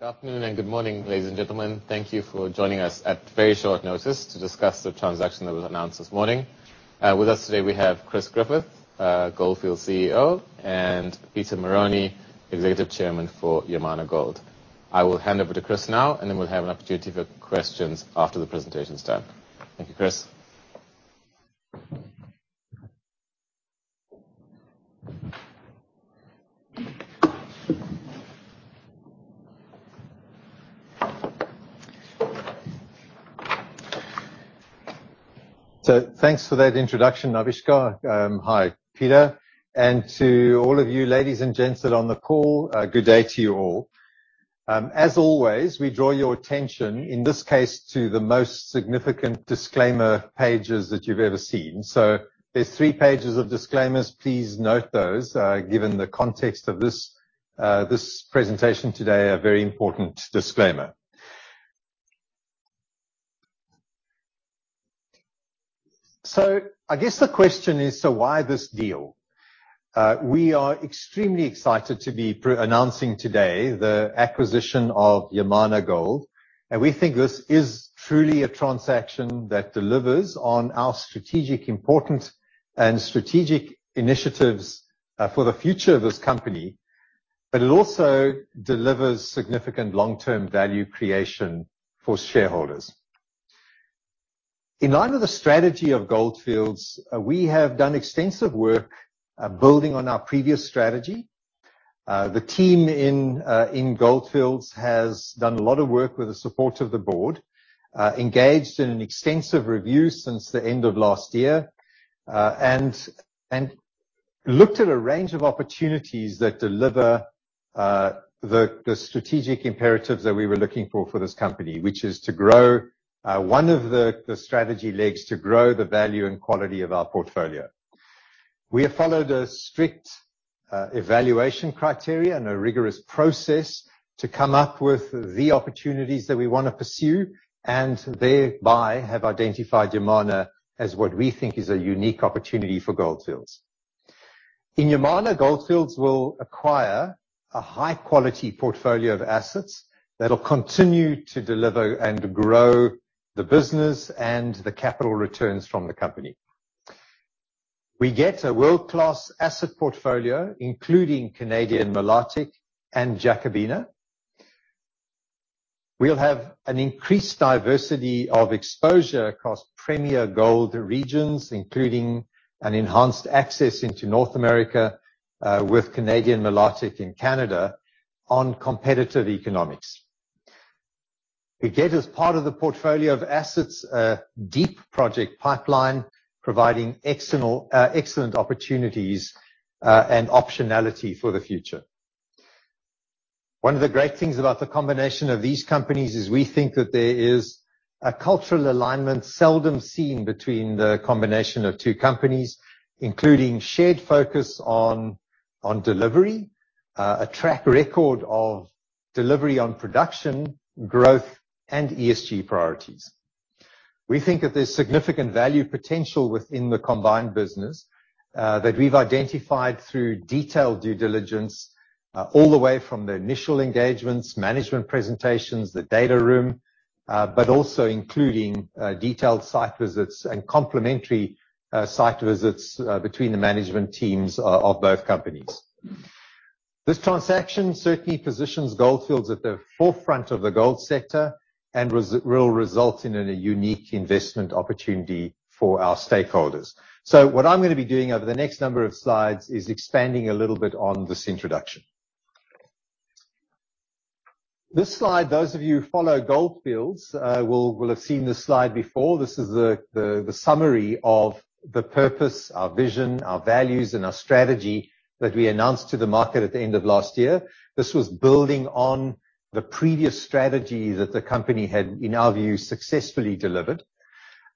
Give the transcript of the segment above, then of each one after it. Good afternoon and good morning, ladies and gentlemen. Thank you for joining us at very short notice to discuss the transaction that was announced this morning. With us today, we have Chris Griffith, Gold Fields CEO, and Peter Marrone, Executive Chairman for Yamana Gold. I will hand over to Chris now, and then we'll have an opportunity for questions after the presentation is done. Thank you, Chris. Thanks for that introduction, Avishkar. Hi, Peter, and to all of you ladies and gents that are on the call, good day to you all. As always, we draw your attention, in this case, to the most significant disclaimer pages that you've ever seen. There's three pages of disclaimers. Please note those, given the context of this presentation today, a very important disclaimer. I guess the question is, so why this deal? We are extremely excited to be announcing today the acquisition of Yamana Gold, and we think this is truly a transaction that delivers on our strategic importance and strategic initiatives, for the future of this company. It also delivers significant long-term value creation for shareholders. In line with the strategy of Gold Fields, we have done extensive work, building on our previous strategy. The team in Gold Fields has done a lot of work with the support of the board, engaged in an extensive review since the end of last year, and looked at a range of opportunities that deliver the strategic imperatives that we were looking for this company. Which is to grow one of the strategy legs to grow the value and quality of our portfolio. We have followed a strict evaluation criteria and a rigorous process to come up with the opportunities that we wanna pursue and thereby have identified Yamana as what we think is a unique opportunity for Gold Fields. In Yamana, Gold Fields will acquire a high quality portfolio of assets that will continue to deliver and grow the business and the capital returns from the company. We get a world-class asset portfolio, including Canadian Malartic and Jacobina. We'll have an increased diversity of exposure across premier gold regions, including an enhanced access into North America, with Canadian Malartic in Canada on competitive economics. We get as part of the portfolio of assets, a deep project pipeline providing excellent opportunities, and optionality for the future. One of the great things about the combination of these companies is we think that there is a cultural alignment seldom seen between the combination of two companies, including shared focus on delivery, a track record of delivery on production, growth, and ESG priorities. We think that there's significant value potential within the combined business that we've identified through detailed due diligence all the way from the initial engagements, management presentations, the data room, but also including detailed site visits and complementary site visits between the management teams of both companies. This transaction certainly positions Gold Fields at the forefront of the gold sector and will result in a unique investment opportunity for our stakeholders. What I'm gonna be doing over the next number of slides is expanding a little bit on this introduction. This slide, those of you who follow Gold Fields, will have seen this slide before. This is the summary of the purpose, our vision, our values, and our strategy that we announced to the market at the end of last year. This was building on the previous strategy that the company had, in our view, successfully delivered.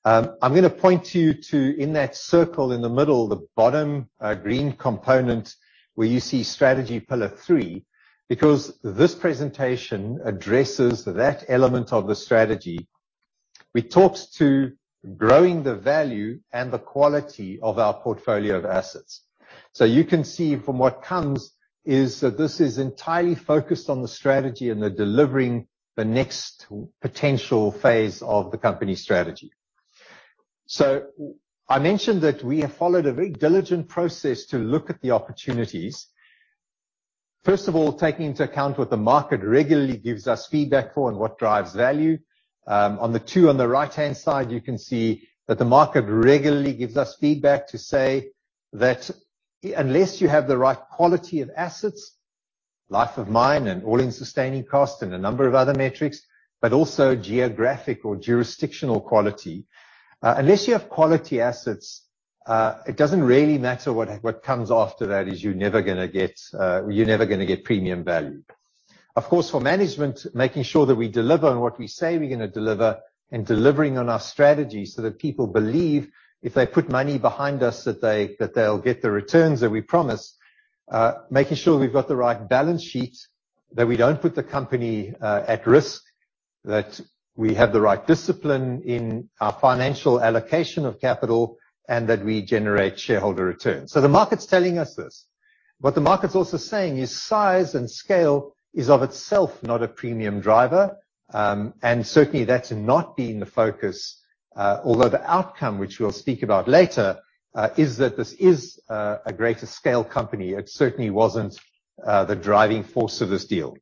I'm gonna point you to, in that circle in the middle, the bottom, green component where you see strategy pillar three, because this presentation addresses that element of the strategy, which talks to growing the value and the quality of our portfolio of assets. You can see from what comes is that this is entirely focused on the strategy and the delivering the next potential phase of the company strategy. I mentioned that we have followed a very diligent process to look at the opportunities. First of all, taking into account what the market regularly gives us feedback for and what drives value. On the two on the right-hand side, you can see that the market regularly gives us feedback to say that unless you have the right quality of assets, life of mine and all-in sustaining cost and a number of other metrics, but also geographic or jurisdictional quality. Unless you have quality assets, it doesn't really matter what comes after that, is you're never gonna get premium value. Of course, for management, making sure that we deliver on what we say we're gonna deliver and delivering on our strategy so that people believe if they put money behind us, that they'll get the returns that we promise. Making sure we've got the right balance sheet, that we don't put the company at risk. That we have the right discipline in our financial allocation of capital and that we generate shareholder returns. The market's telling us this, but the market's also saying is size and scale is of itself not a premium driver. And certainly that's not been the focus, although the outcome which we'll speak about later is that this is a greater scale company. It certainly wasn't the driving force of this deal.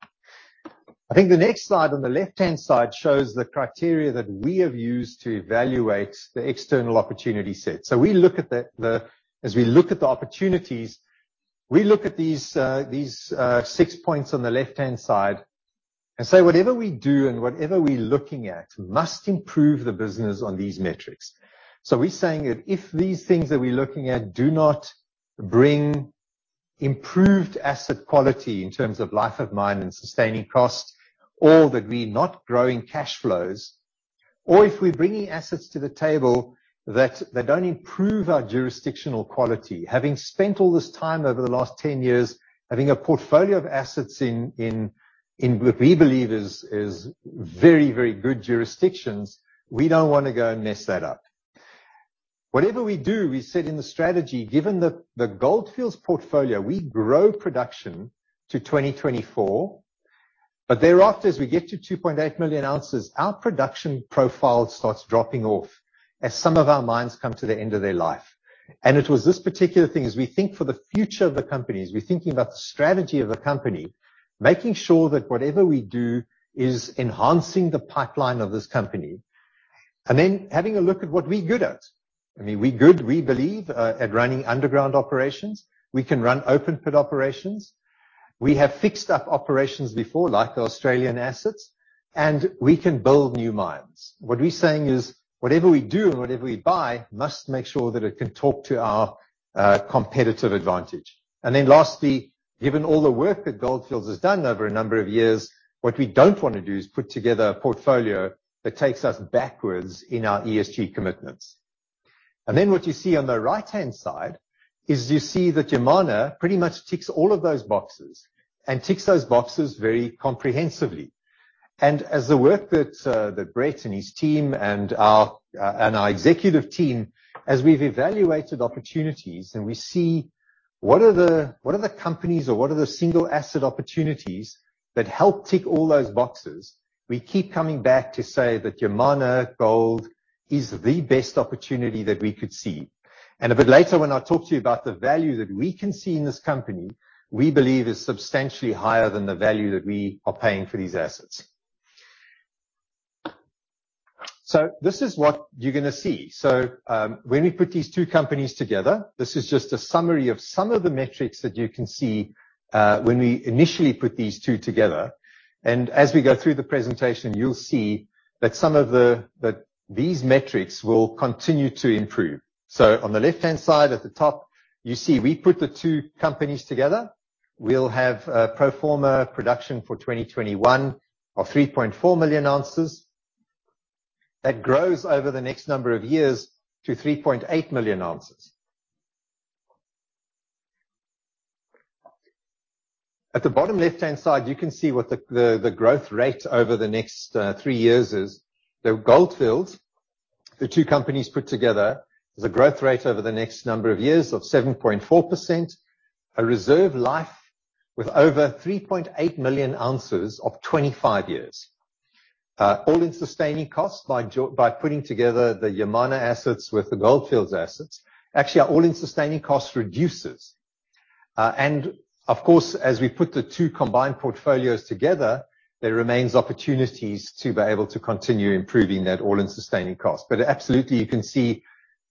I think the next slide on the left-hand side shows the criteria that we have used to evaluate the external opportunity set. We look at the opportunities, we look at these six points on the left-hand side and say whatever we do and whatever we're looking at must improve the business on these metrics. We're saying that if these things that we're looking at do not bring improved asset quality in terms of life of mine and sustaining cost, or that we're not growing cash flows, or if we're bringing assets to the table that they don't improve our jurisdictional quality. Having spent all this time over the last 10 years, having a portfolio of assets in what we believe is very, very good jurisdictions, we don't wanna go and mess that up. Whatever we do, we said in the strategy, given the Gold Fields portfolio, we grow production to 2024, but thereafter, as we get to 2.8 million ounces, our production profile starts dropping off as some of our mines come to the end of their life. It was this particular thing as we think for the future of the company, as we're thinking about the strategy of the company, making sure that whatever we do is enhancing the pipeline of this company. Then having a look at what we're good at. I mean, we're good, we believe, at running underground operations. We can run open pit operations. We have fixed up operations before, like the Australian assets, and we can build new mines. What we're saying is whatever we do and whatever we buy must make sure that it can talk to our competitive advantage. Lastly, given all the work that Gold Fields has done over a number of years, what we don't wanna do is put together a portfolio that takes us backwards in our ESG commitments. What you see on the right-hand side is you see that Yamana pretty much ticks all of those boxes, and ticks those boxes very comprehensively. As the work that Brett and his team and our executive team, as we've evaluated opportunities and we see what are the companies or what are the single asset opportunities that help tick all those boxes, we keep coming back to say that Yamana Gold is the best opportunity that we could see. A bit later when I talk to you about the value that we can see in this company, we believe is substantially higher than the value that we are paying for these assets. This is what you're gonna see. When we put these two companies together, this is just a summary of some of the metrics that you can see, when we initially put these two together. As we go through the presentation, you'll see that these metrics will continue to improve. On the left-hand side at the top, you see we put the two companies together. We'll have a pro forma production for 2021 of 3.4 million ounces. That grows over the next number of years to 3.8 million ounces. At the bottom left-hand side, you can see what the growth rate over the next three years is. The Gold Fields, the two companies put together, there's a growth rate over the next number of years of 7.4%, a reserve life with over 3.8 million ounces of 25 years. All-in sustaining costs by putting together the Yamana assets with the Gold Fields assets actually our all-in sustaining cost reduces. Of course, as we put the two combined portfolios together, there remains opportunities to be able to continue improving that all-in sustaining cost. Absolutely you can see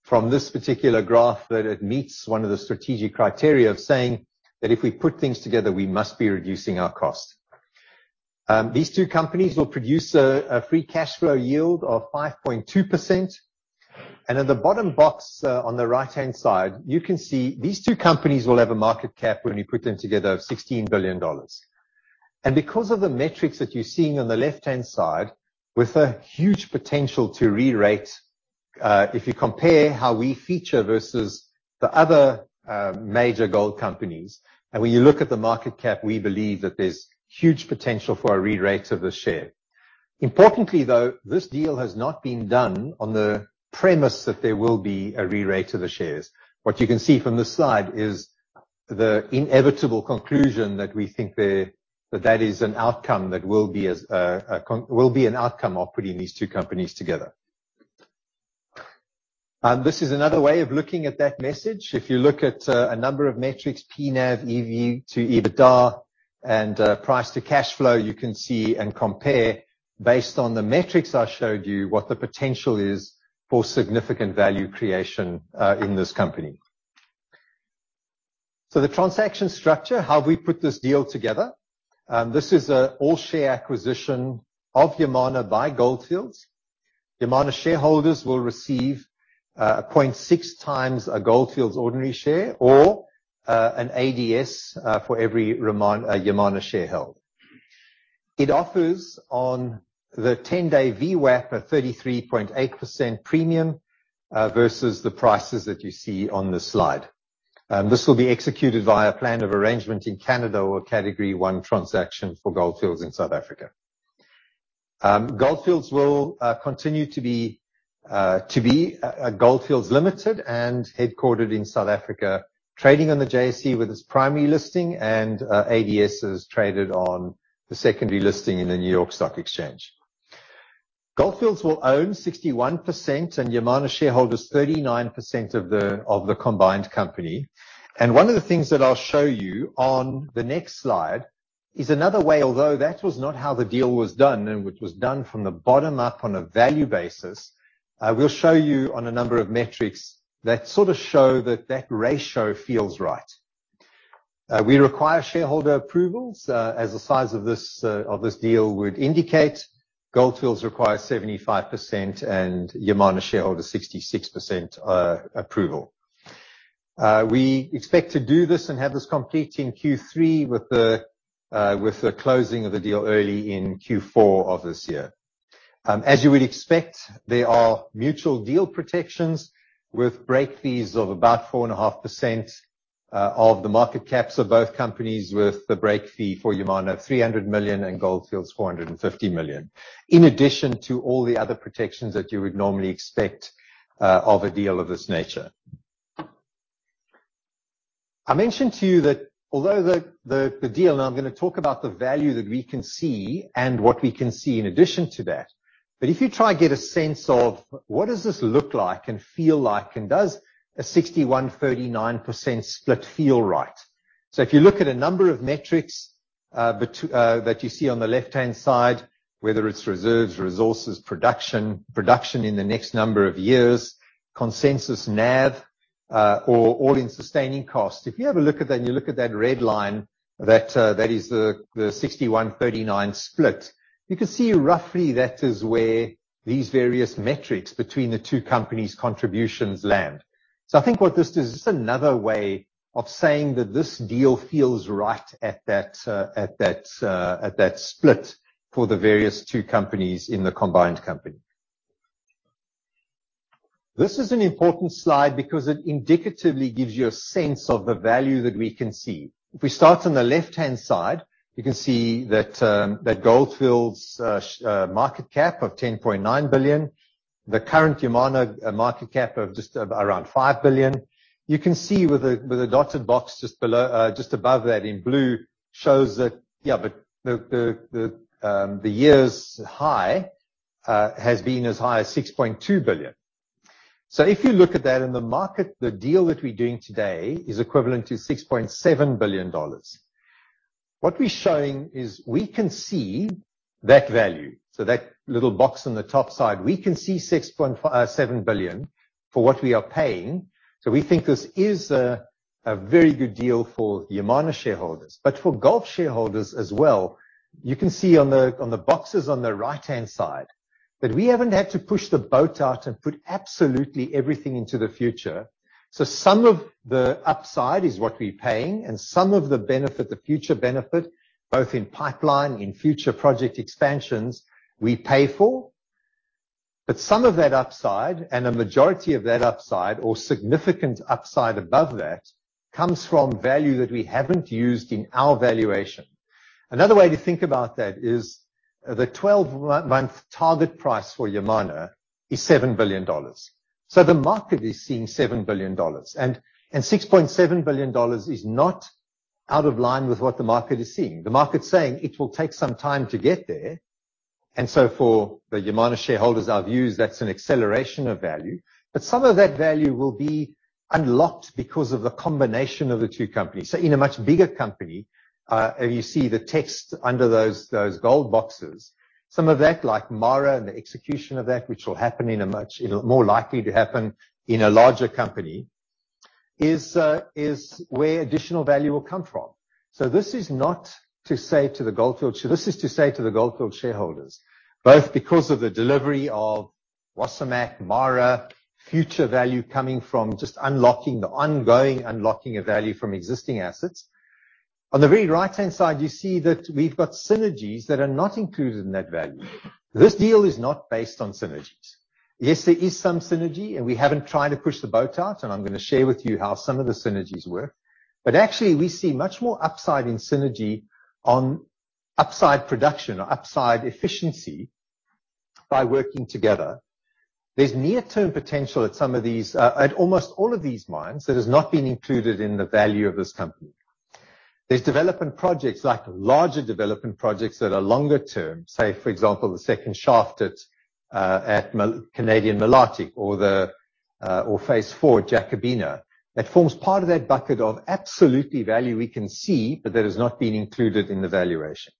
from this particular graph that it meets one of the strategic criteria of saying that if we put things together, we must be reducing our cost. These two companies will produce a free cash flow yield of 5.2%. At the bottom box on the right-hand side, you can see these two companies will have a market cap when we put them together of $16 billion. Because of the metrics that you're seeing on the left-hand side with a huge potential to re-rate, if you compare how we feature versus the other major gold companies, and when you look at the market cap, we believe that there's huge potential for a re-rate of the share. Importantly, though, this deal has not been done on the premise that there will be a re-rate of the shares. What you can see from this slide is the inevitable conclusion that we think that that is an outcome that will be an outcome of putting these two companies together. This is another way of looking at that message. If you look at a number of metrics, P/NAV, EV to EBITDA, and price to cash flow, you can see and compare based on the metrics I showed you what the potential is for significant value creation in this company. The transaction structure, how we put this deal together. This is an all-share acquisition of Yamana by Gold Fields. Yamana shareholders will receive 0.6x a Gold Fields ordinary share or an ADS for every Yamana share held. It offers on the 10-day VWAP a 33.8% premium versus the prices that you see on this slide. This will be executed via a plan of arrangement in Canada or a Category 1 transaction for Gold Fields in South Africa. Gold Fields will continue to be a Gold Fields Limited and headquartered in South Africa, trading on the JSE with its primary listing and ADSs traded on the secondary listing in the New York Stock Exchange. Gold Fields will own 61% and Yamana shareholders 39% of the combined company. One of the things that I'll show you on the next slide is another way, although that was not how the deal was done, and which was done from the bottom up on a value basis. I will show you on a number of metrics that sort of show that ratio feels right. We require shareholder approvals as the size of this deal would indicate. Gold Fields requires 75% and Yamana shareholders 66% approval. We expect to do this and have this complete in Q3 with the closing of the deal early in Q4 of this year. As you would expect, there are mutual deal protections with break fees of about 4.5% of the market caps of both companies, with the break fee for Yamana $300 million, and Gold Fields $450 million, in addition to all the other protections that you would normally expect of a deal of this nature. I mentioned to you that although the deal, and I'm gonna talk about the value that we can see and what we can see in addition to that. If you try to get a sense of what does this look like and feel like, and does a 61%-39% split feel right? If you look at a number of metrics, that you see on the left-hand side, whether it's reserves, resources, production in the next number of years, consensus NAV, or all-in sustaining cost. If you have a look at that, and you look at that red line that is the 61%-39% split, you can see roughly that is where these various metrics between the two companies' contributions land. I think what this does, this is another way of saying that this deal feels right at that split for the value to the two companies in the combined company. This is an important slide because it indicatively gives you a sense of the value that we can see. If we start on the left-hand side, you can see that Gold Fields market cap of $10.9 billion, the current Yamana market cap of just around $5 billion. You can see with the dotted box just above that in blue shows that the year's high has been as high as $6.2 billion. If you look at that in the market, the deal that we're doing today is equivalent to $6.7 billion. What we're showing is we can see that value. That little box on the top side, we can see $6.7 billion for what we are paying. We think this is a very good deal for Yamana shareholders. For Gold shareholders as well, you can see on the boxes on the right-hand side that we haven't had to push the boat out and put absolutely everything into the future. Some of the upside is what we're paying and some of the benefit, the future benefit, both in pipeline, in future project expansions we pay for. Some of that upside and a majority of that upside or significant upside above that comes from value that we haven't used in our valuation. Another way to think about that is the 12-month target price for Yamana is $7 billion. The market is seeing $7 billion and $6.7 billion is not out of line with what the market is seeing. The market's saying it will take some time to get there. For the Yamana shareholders, our view is that's an acceleration of value. Some of that value will be unlocked because of the combination of the two companies. In a much bigger company, you see the text under those gold boxes. Some of that, like MARA and the execution of that, which will happen in a much more likely to happen in a larger company, is where additional value will come from. This is not to say to the Gold Fields, this is to say to the Gold Fields shareholders, both because of the delivery of Wasamac, MARA, future value coming from just unlocking, the ongoing unlocking of value from existing assets. On the very right-hand side, you see that we've got synergies that are not included in that value. This deal is not based on synergies. Yes, there is some synergy, and we haven't tried to push the boat out, and I'm gonna share with you how some of the synergies work. But actually, we see much more upside in synergy on upside production or upside efficiency by working together. There's near-term potential at some of these, at almost all of these mines that has not been included in the value of this company. There's development projects like larger development projects that are longer term, say, for example, the second shaft at Canadian Malartic or Phase 4 Jacobina, that forms part of that bucket of absolute value we can see but that has not been included in the valuation.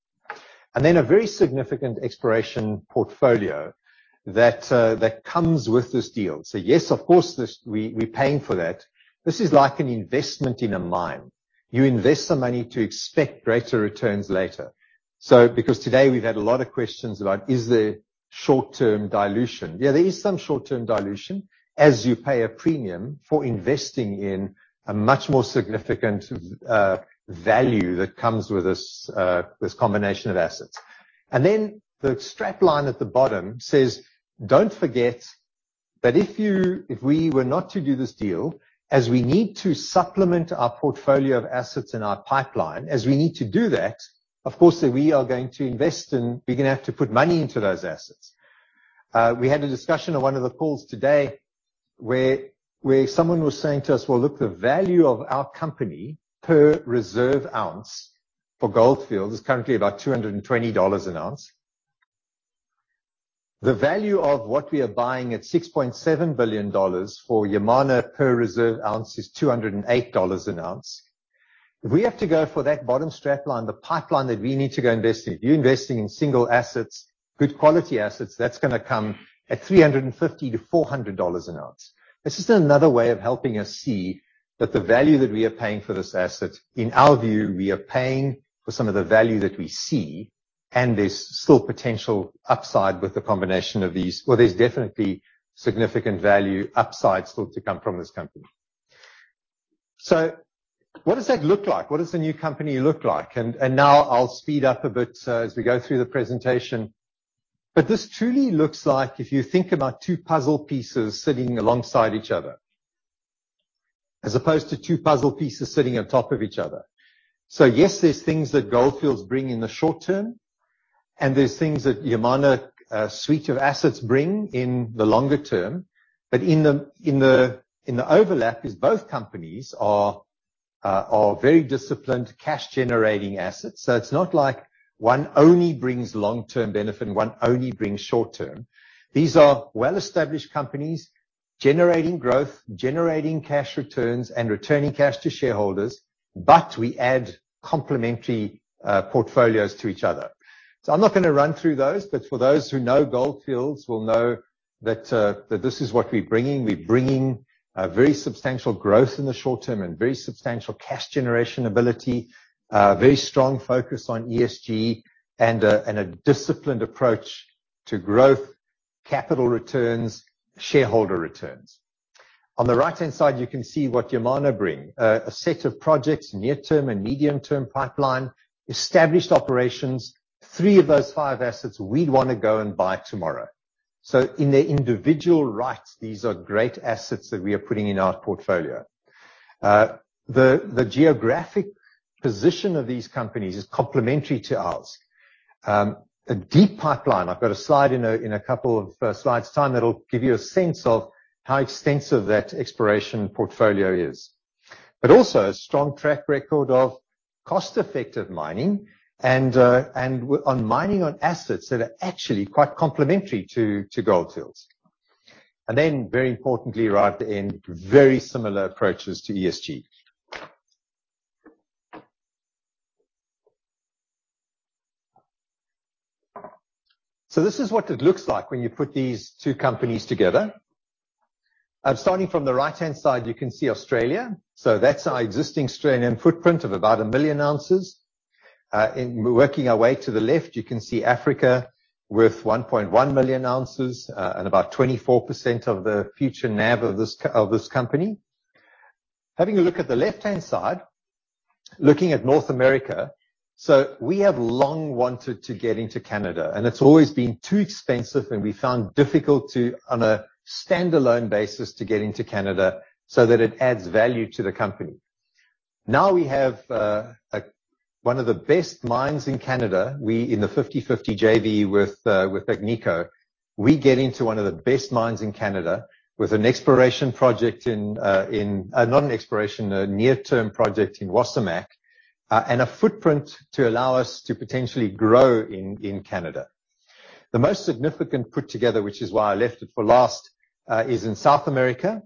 A very significant exploration portfolio that comes with this deal. Yes, of course this—we're paying for that. This is like an investment in a mine. You invest some money to expect greater returns later. Because today we've had a lot of questions about is there short-term dilution? Yeah, there is some short-term dilution as you pay a premium for investing in a much more significant value that comes with this combination of assets. The strap line at the bottom says, "Don't forget. But if we were not to do this deal as we need to supplement our portfolio of assets in our pipeline, as we need to do that, of course that we are going to invest and we're gonna have to put money into those assets." We had a discussion on one of the calls today where someone was saying to us, "Well, look, the value of our company per reserve ounce for Gold Fields is currently about $220 an ounce." The value of what we are buying at $6.7 billion for Yamana per reserve ounce is $208 an ounce. If we have to go for that bottom strap line, the pipeline that we need to go invest in. You're investing in single assets, good quality assets. That's gonna come at $350-$400 an ounce. This is another way of helping us see that the value that we are paying for this asset. In our view, we are paying for some of the value that we see, and there's still potential upside with the combination of these. Well, there's definitely significant value upside still to come from this company. What does that look like? What does the new company look like? Now I'll speed up a bit as we go through the presentation. This truly looks like if you think about two puzzle pieces sitting alongside each other as opposed to two puzzle pieces sitting on top of each other. Yes, there's things that Gold Fields bring in the short term, and there's things that Yamana suite of assets bring in the longer term. In the overlap is both companies are very disciplined cash generating assets. It's not like one only brings long-term benefit, one only brings short-term. These are well-established companies generating growth, generating cash returns and returning cash to shareholders, but we add complementary portfolios to each other. I'm not gonna run through those, but for those who know Gold Fields will know that this is what we're bringing. We're bringing a very substantial growth in the short term and very substantial cash generation ability, very strong focus on ESG and a disciplined approach to growth, capital returns, shareholder returns. On the right-hand side, you can see what Yamana bring. A set of projects, near term and medium term pipeline, established operations. Three of those five assets we'd wanna go and buy tomorrow. In their individual rights, these are great assets that we are putting in our portfolio. The geographic position of these companies is complementary to ours. A deep pipeline. I've got a slide in a couple of slides time that'll give you a sense of how extensive that exploration portfolio is. Also a strong track record of cost-effective mining and mining on assets that are actually quite complementary to Gold Fields. Very importantly right at the end, very similar approaches to ESG. This is what it looks like when you put these two companies together. I'm starting from the right-hand side, you can see Australia. That's our existing Australian footprint of about 1 million ounces. Working our way to the left, you can see Africa with 1.1 million ounces, and about 24% of the future NAV of this company. Having a look at the left-hand side, looking at North America. We have long wanted to get into Canada, and it's always been too expensive, and we found difficult to, on a standalone basis, to get into Canada so that it adds value to the company. Now we have one of the best mines in Canada. We're in the 50-50 JV with Agnico. We get into one of the best mines in Canada with an exploration project in. Not an exploration, a near term project in Wasamac, and a footprint to allow us to potentially grow in Canada. The most significant put together, which is why I left it for last, is in South America.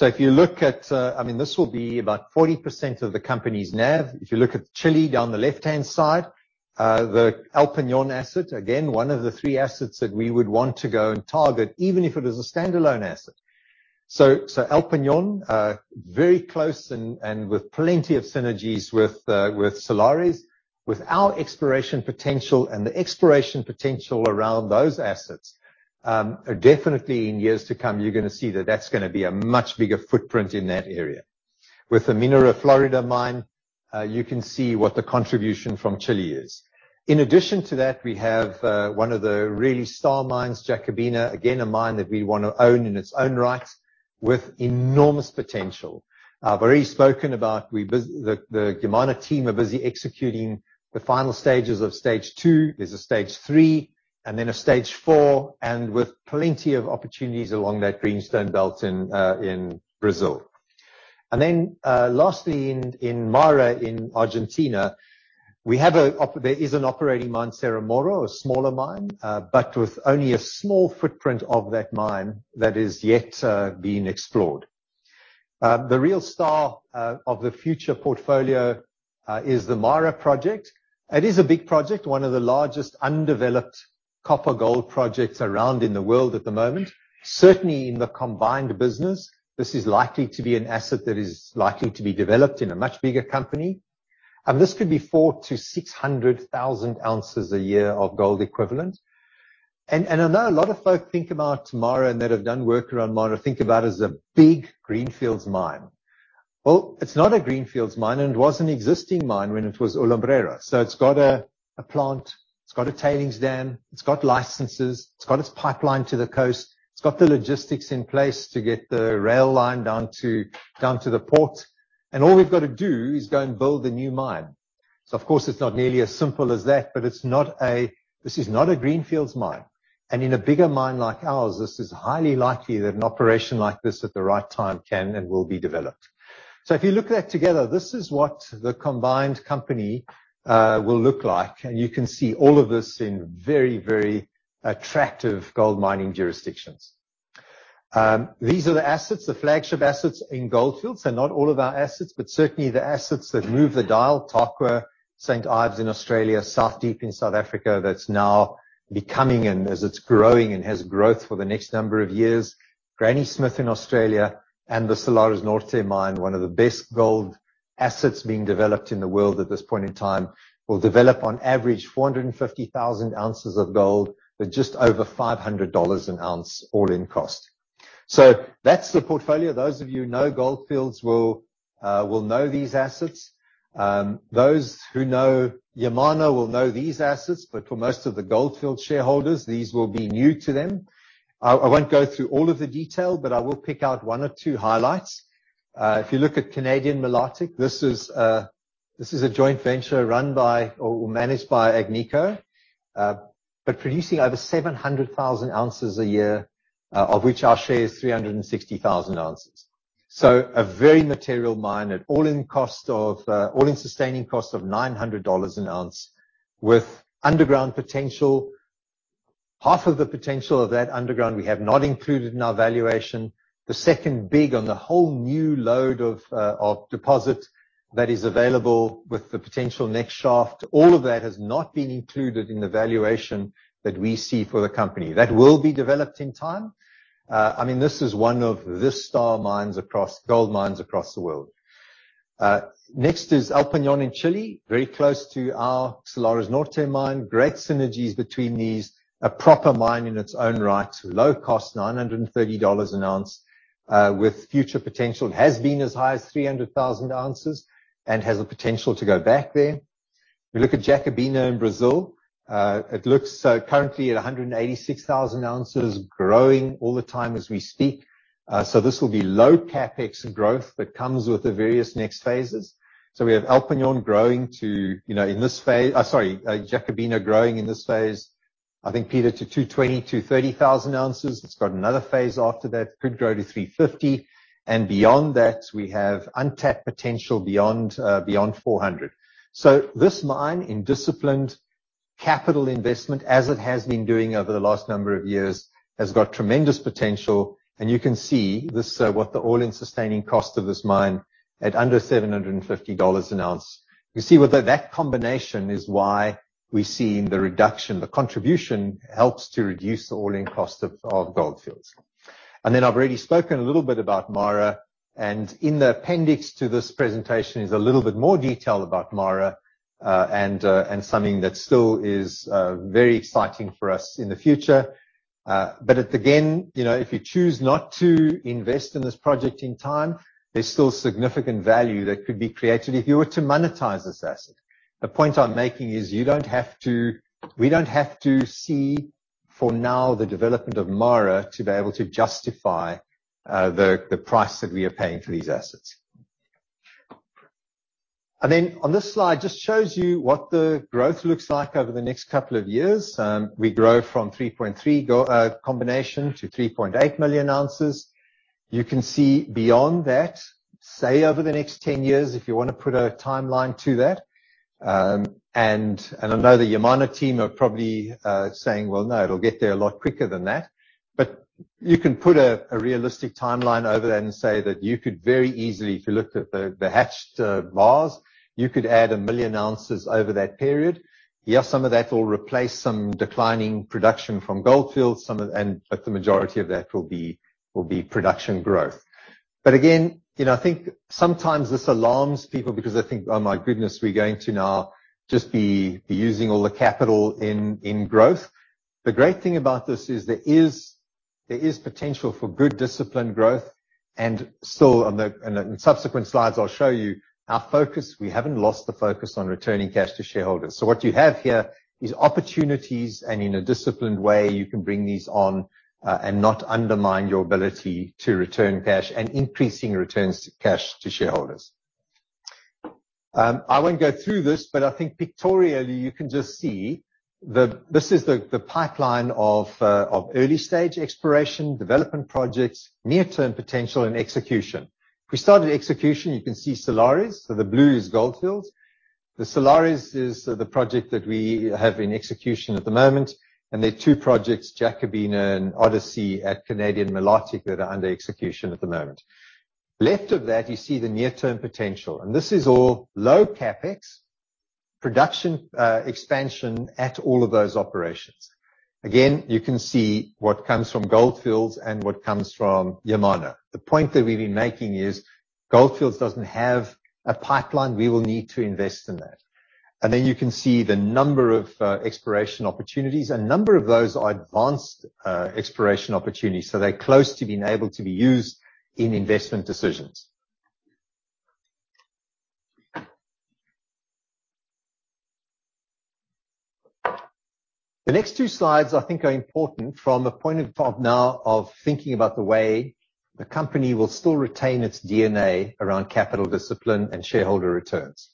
If you look at, I mean, this will be about 40% of the company's NAV. If you look at Chile down the left-hand side, the El Peñón asset, again, one of the three assets that we would want to go and target, even if it is a standalone asset. El Peñón, very close and with plenty of synergies with Salares. With our exploration potential and the exploration potential around those assets, are definitely in years to come, you're gonna see that that's gonna be a much bigger footprint in that area. With the Minera Florida mine, you can see what the contribution from Chile is. In addition to that, we have one of the really star mines, Jacobina. Again, a mine that we wanna own in its own right with enormous potential. I've already spoken about the Yamana team are busy executing the final stages of stage two. There's a stage three and then a stage four, and with plenty of opportunities along that greenstone belt in Brazil. Lastly, in MARA, in Argentina, we have there is an operating mine, Cerro Moro, a smaller mine, but with only a small footprint of that mine that is yet being explored. The real star of the future portfolio is the MARA project. It is a big project, one of the largest undeveloped copper gold projects around in the world at the moment. Certainly in the combined business, this is likely to be an asset that is likely to be developed in a much bigger company. This could be 400,000-600,000 ounces a year of gold equivalent. I know a lot of folks think about MARA and that have done work around MARA, think about as a big greenfields mine. Well, it's not a greenfield mine, and it was an existing mine when it was Alumbrera. So it's got a plant, it's got a tailings dam, it's got licenses, it's got its pipeline to the coast, it's got the logistics in place to get the rail line down to the port. All we've got to do is go and build a new mine. Of course, it's not nearly as simple as that, but it's not a greenfields mine. In a bigger mine like ours, this is highly likely that an operation like this at the right time can and will be developed. If you look at that together, this is what the combined company will look like. You can see all of this in very, very attractive gold mining jurisdictions. These are the assets, the flagship assets in Gold Fields. They're not all of our assets, but certainly the assets that move the dial. Tarkwa, St Ives in Australia, South Deep in South Africa, that's now becoming and as it's growing and has growth for the next number of years. Granny Smith in Australia and the Salares Norte mine, one of the best gold assets being developed in the world at this point in time, will develop on average 450,000 ounces of gold at just over $500 an ounce all-in cost. That's the portfolio. Those of you who know Gold Fields will know these assets. Those who know Yamana will know these assets, but for most of the Gold Fields shareholders, these will be new to them. I won't go through all of the detail, but I will pick out one or two highlights. If you look at Canadian Malartic, this is a joint venture run by or managed by Agnico, but producing over 700,000 ounces a year, of which our share is 360,000 ounces. A very material mine at all-in sustaining cost of $900 an ounce with underground potential. Half of the potential of that underground we have not included in our valuation. The second big one, the whole new lode of deposit that is available with the potential next shaft. All of that has not been included in the valuation that we see for the company. That will be developed in time. I mean, this is one of the star gold mines across the world. Next is El Peñón in Chile, very close to our Salares Norte mine. Great synergies between these. A proper mine in its own right. Low cost, $930 an ounce, with future potential. It has been as high as 300,000 ounces and has the potential to go back there. We look at Jacobina in Brazil, it looks currently at 186,000 ounces growing all the time as we speak. This will be low CapEx growth that comes with the various next phases. We have Jacobina growing in this phase, I think, Peter, to 220-230 thousand ounces. It has got another phase after that, could grow to 350. Beyond that, we have untapped potential beyond 400. This mine in disciplined capital investment, as it has been doing over the last number of years, has got tremendous potential. You can see this, what the all-in sustaining cost of this mine at under $750 an ounce. You see what that combination is why we're seeing the reduction. The contribution helps to reduce the all-in cost of Gold Fields. I've already spoken a little bit about MARA, and in the appendix to this presentation is a little bit more detail about MARA, and something that still is very exciting for us in the future. But again, you know, if you choose not to invest in this project in time, there's still significant value that could be created if you were to monetize this asset. The point I'm making is you don't have to, we don't have to see for now the development of MARA to be able to justify the price that we are paying for these assets. Then on this slide, just shows you what the growth looks like over the next couple of years. We grow from 3.3 GEO combination to 3.8 million ounces. You can see beyond that, say over the next 10 years, if you wanna put a timeline to that. I know the Yamana team are probably saying, "Well, no, it'll get there a lot quicker than that." You can put a realistic timeline over that and say that you could very easily, if you looked at the hatched bars, you could add 1 million ounces over that period. Yes, some of that will replace some declining production from Gold Fields, and the majority of that will be production growth. Again, you know, I think sometimes this alarms people because they think, "Oh my goodness, we're going to now just be using all the capital in growth." The great thing about this is there is potential for good disciplined growth. On the subsequent slides, I'll show you our focus. We haven't lost the focus on returning cash to shareholders. What you have here is opportunities, and in a disciplined way, you can bring these on and not undermine your ability to return cash and increasing returns to cash to shareholders. I won't go through this, but I think pictorially, you can just see this is the pipeline of early-stage exploration, development projects, near-term potential and execution. If we start at execution, you can see Salares Norte. The blue is Gold Fields. The Salares Norte is the project that we have in execution at the moment, and there are two projects, Jacobina and Odyssey at Canadian Malartic, that are under execution at the moment. Left of that, you see the near-term potential, and this is all low CapEx production expansion at all of those operations. Again, you can see what comes from Gold Fields and what comes from Yamana. The point that we've been making is Gold Fields doesn't have a pipeline. We will need to invest in that. You can see the number of exploration opportunities. A number of those are advanced exploration opportunities, so they're close to being able to be used in investment decisions. The next two slides I think are important from a point of view now of thinking about the way the company will still retain its DNA around capital discipline and shareholder returns.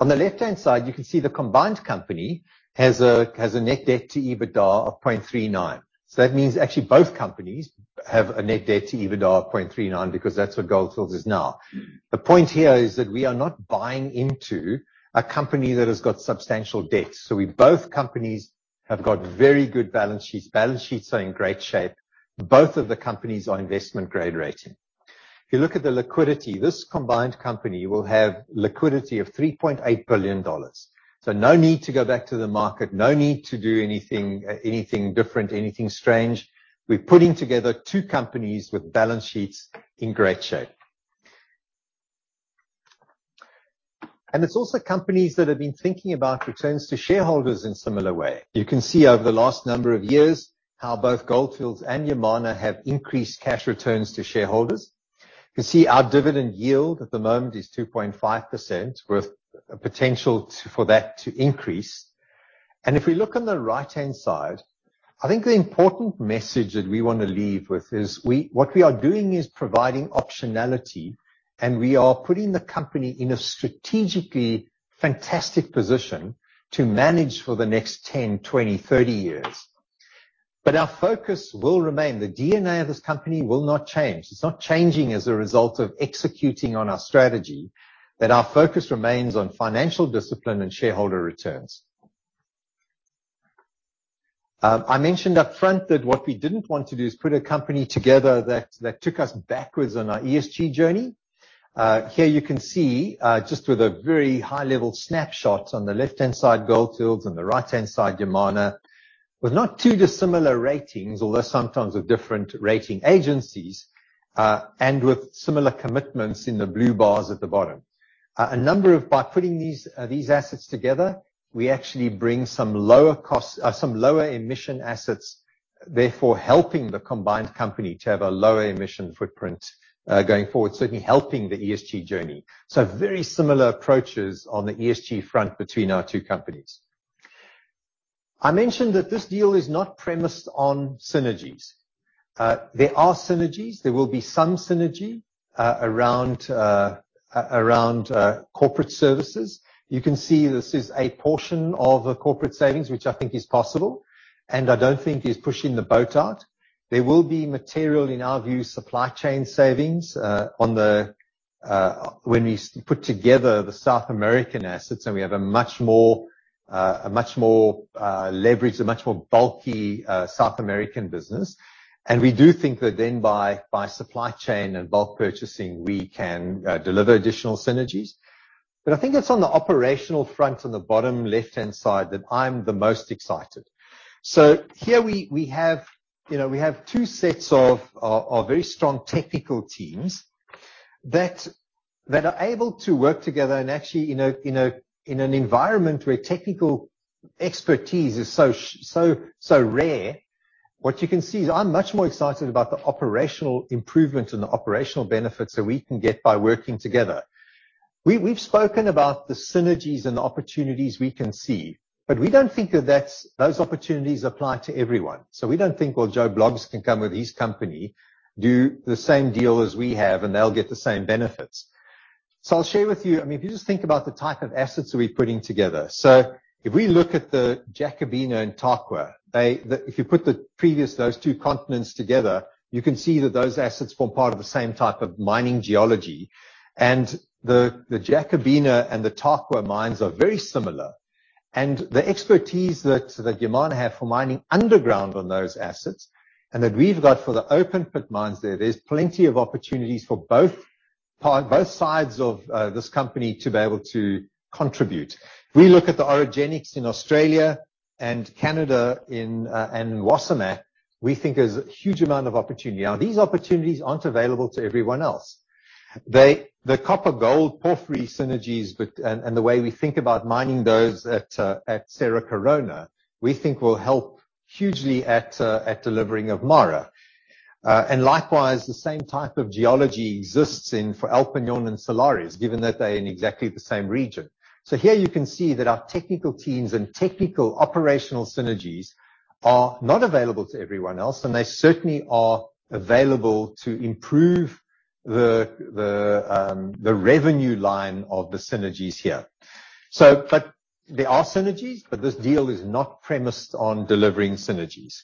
On the left-hand side, you can see the combined company has a net debt to EBITDA of 0.39. That means actually both companies have a net debt to EBITDA of 0.39 because that's what Gold Fields is now. The point here is that we are not buying into a company that has got substantial debt. Both companies have got very good balance sheets. Balance sheets are in great shape. Both of the companies are investment-grade rating. If you look at the liquidity, this combined company will have liquidity of $3.8 billion. No need to go back to the market. No need to do anything different, anything strange. We're putting together two companies with balance sheets in great shape. It's also companies that have been thinking about returns to shareholders in similar way. You can see over the last number of years how both Gold Fields and Yamana have increased cash returns to shareholders. You can see our dividend yield at the moment is 2.5%, with a potential for that to increase. If we look on the right-hand side, I think the important message that we wanna leave with is what we are doing is providing optionality, and we are putting the company in a strategically fantastic position to manage for the next 10, 20, 30 years. Our focus will remain. The DNA of this company will not change. It's not changing as a result of executing on our strategy. Our focus remains on financial discipline and shareholder returns. I mentioned up front that what we didn't want to do is put a company together that took us backwards on our ESG journey. Here you can see, just with a very high-level snapshot on the left-hand side, Gold Fields, on the right-hand side, Yamana, with not too dissimilar ratings, although sometimes of different rating agencies, and with similar commitments in the blue bars at the bottom. By putting these assets together, we actually bring some lower costs, some lower emission assets, therefore helping the combined company to have a lower emission footprint, going forward, certainly helping the ESG journey. Very similar approaches on the ESG front between our two companies. I mentioned that this deal is not premised on synergies. There are synergies. There will be some synergy around corporate services. You can see this is a portion of the corporate savings, which I think is possible, and I don't think is pushing the boat out. There will be material, in our view, supply chain savings, when we put together the South American assets, and we have a much more leveraged, much more bulky South American business. We do think that then by supply chain and bulk purchasing, we can deliver additional synergies. I think it's on the operational front, on the bottom left-hand side, that I'm the most excited. Here we have, you know, two sets of very strong technical teams that are able to work together. Actually in an environment where technical expertise is so rare, what you can see is I'm much more excited about the operational improvements and the operational benefits that we can get by working together. We've spoken about the synergies and the opportunities we can see, but we don't think that those opportunities apply to everyone. We don't think, well, Joe Bloggs can come with his company, do the same deal as we have, and they'll get the same benefits. I'll share with you. I mean, if you just think about the type of assets that we're putting together. If we look at the Jacobina and Tarkwa, they, if you put those two concessions together, you can see that those assets form part of the same type of mining geology. The Jacobina and the Tarkwa mines are very similar. The expertise that Yamana have for mining underground on those assets, and that we've got for the open pit mines there's plenty of opportunities for both sides of this company to be able to contribute. If we look at the orogenic in Australia and Canada and in Wasamac, we think there's a huge amount of opportunity. Now, these opportunities aren't available to everyone else. The copper-gold porphyry synergies and the way we think about mining those at Cerro Corona, we think will help hugely at delivering of MARA. And likewise, the same type of geology exists for El Peñón and Salares, given that they're in exactly the same region. Here you can see that our technical teams and technical operational synergies are not available to everyone else, and they certainly are available to improve the revenue line of the synergies here. There are synergies, but this deal is not premised on delivering synergies.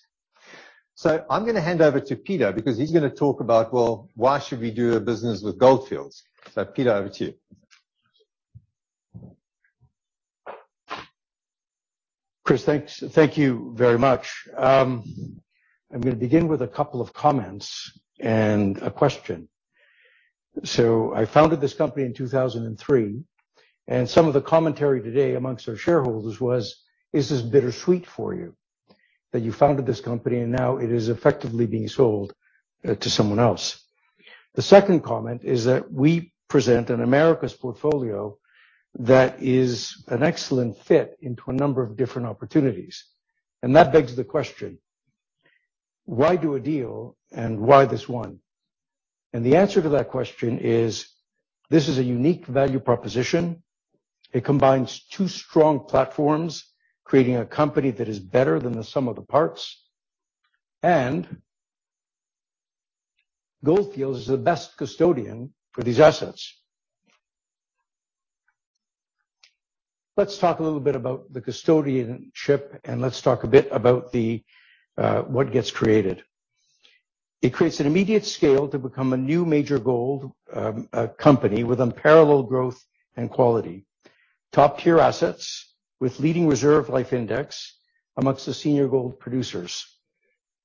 I'm gonna hand over to Peter because he's gonna talk about, well, why should we do business with Gold Fields. Peter, over to you. Chris, thanks. Thank you very much. I'm gonna begin with a couple of comments and a question. I founded this company in 2003, and some of the commentary today among our shareholders was: Is this bittersweet for you? That you founded this company, and now it is effectively being sold to someone else. The second comment is that we present an Americas portfolio that is an excellent fit into a number of different opportunities. That begs the question, why do a deal and why this one? The answer to that question is, this is a unique value proposition. It combines two strong platforms, creating a company that is better than the sum of the parts, and Gold Fields is the best custodian for these assets. Let's talk a little bit about the custodianship, and let's talk a bit about the what gets created. It creates an immediate scale to become a new major gold company with unparalleled growth and quality. Top-tier assets with leading reserve life index amongst the senior gold producers.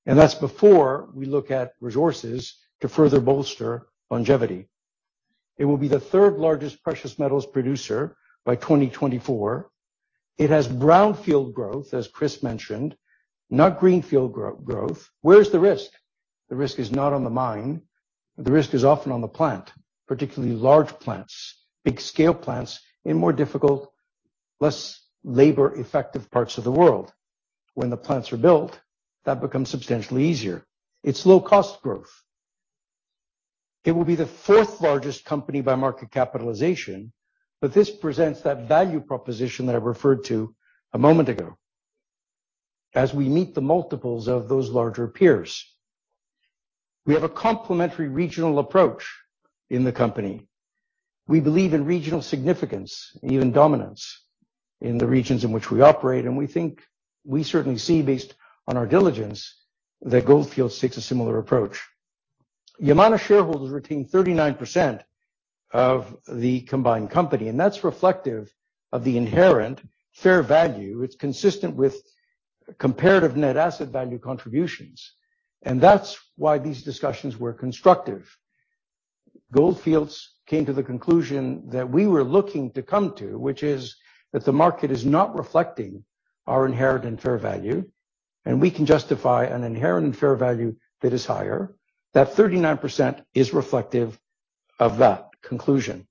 That's before we look at resources to further bolster longevity. It will be the third-largest precious metals producer by 2024. It has brownfield growth, as Chris mentioned, not greenfield growth. Where's the risk? The risk is not on the mine, the risk is often on the plant, particularly large plants, big scale plants in more difficult, less labor effective parts of the world. When the plants are built, that becomes substantially easier. It's low cost growth. It will be the fourth-largest company by market capitalization, but this presents that value proposition that I referred to a moment ago. As we meet the multiples of those larger peers. We have a complementary regional approach in the company. We believe in regional significance, even dominance in the regions in which we operate, and we think we certainly see based on our diligence that Gold Fields takes a similar approach. Yamana shareholders retain 39% of the combined company, and that's reflective of the inherent fair value. It's consistent with comparative net asset value contributions, and that's why these discussions were constructive. Gold Fields came to the conclusion that we were looking to come to, which is that the market is not reflecting our inherent and fair value, and we can justify an inherent and fair value that is higher, that 39% is reflective of that conclusion.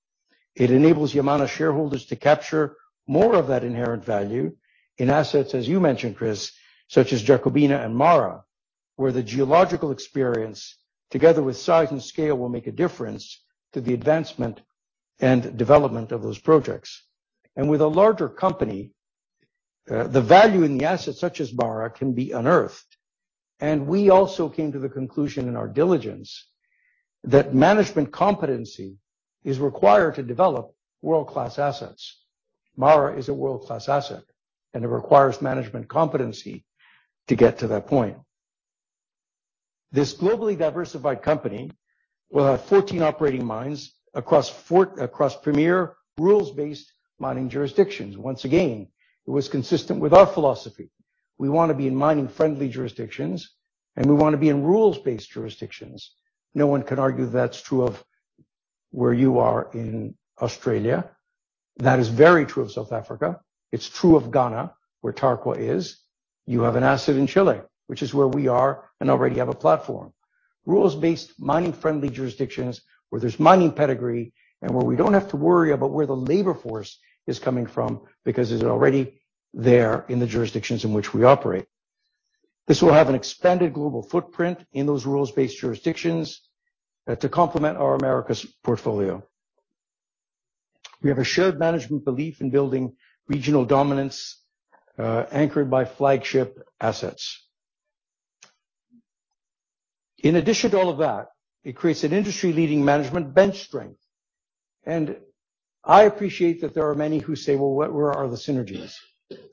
It enables Yamana shareholders to capture more of that inherent value in assets, as you mentioned, Chris, such as Jacobina and MARA, where the geological experience together with size and scale will make a difference to the advancement and development of those projects. With a larger company, the value in the assets such as MARA can be unearthed. We also came to the conclusion in our diligence that management competency is required to develop world-class assets. MARA is a world-class asset, and it requires management competency to get to that point. This globally diversified company will have 14 operating mines across premier rules-based mining jurisdictions. Once again, it was consistent with our philosophy. We wanna be in mining-friendly jurisdictions, and we wanna be in rules-based jurisdictions. No one can argue that's true of where you are in Australia. That is very true of South Africa. It's true of Ghana, where Tarkwa is. You have an asset in Chile, which is where we are and already have a platform. Rules-based, mining-friendly jurisdictions where there's mining pedigree and where we don't have to worry about where the labor force is coming from because it's already there in the jurisdictions in which we operate. This will have an expanded global footprint in those rules-based jurisdictions to complement our Americas portfolio. We have a shared management belief in building regional dominance anchored by flagship assets. In addition to all of that, it creates an industry-leading management bench strength. I appreciate that there are many who say, "Well, what? Where are the synergies?"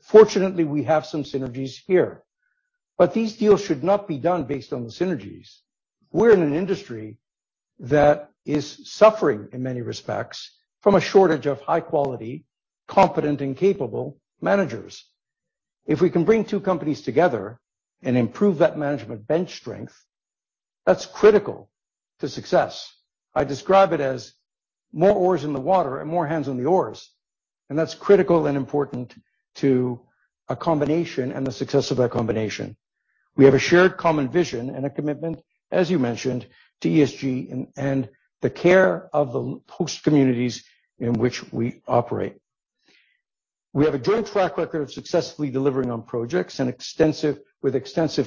Fortunately, we have some synergies here. These deals should not be done based on the synergies. We're in an industry that is suffering in many respects from a shortage of high-quality, competent and capable managers. If we can bring two companies together and improve that management bench strength, that's critical to success. I describe it as more oars in the water and more hands on the oars, and that's critical and important to a combination and the success of that combination. We have a shared common vision and a commitment, as you mentioned, to ESG and the care of the host communities in which we operate. We have a joint track record of successfully delivering on projects and extensive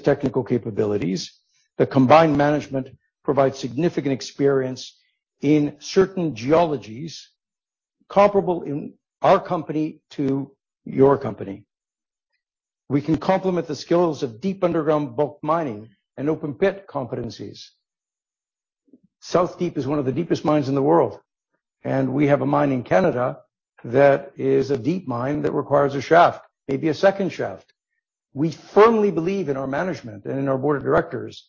technical capabilities. The combined management provides significant experience in certain geologies, comparable in our company to your company. We can complement the skills of deep underground bulk mining and open pit competencies. South Deep is one of the deepest mines in the world, and we have a mine in Canada that is a deep mine that requires a shaft, maybe a second shaft. We firmly believe in our management and in our board of directors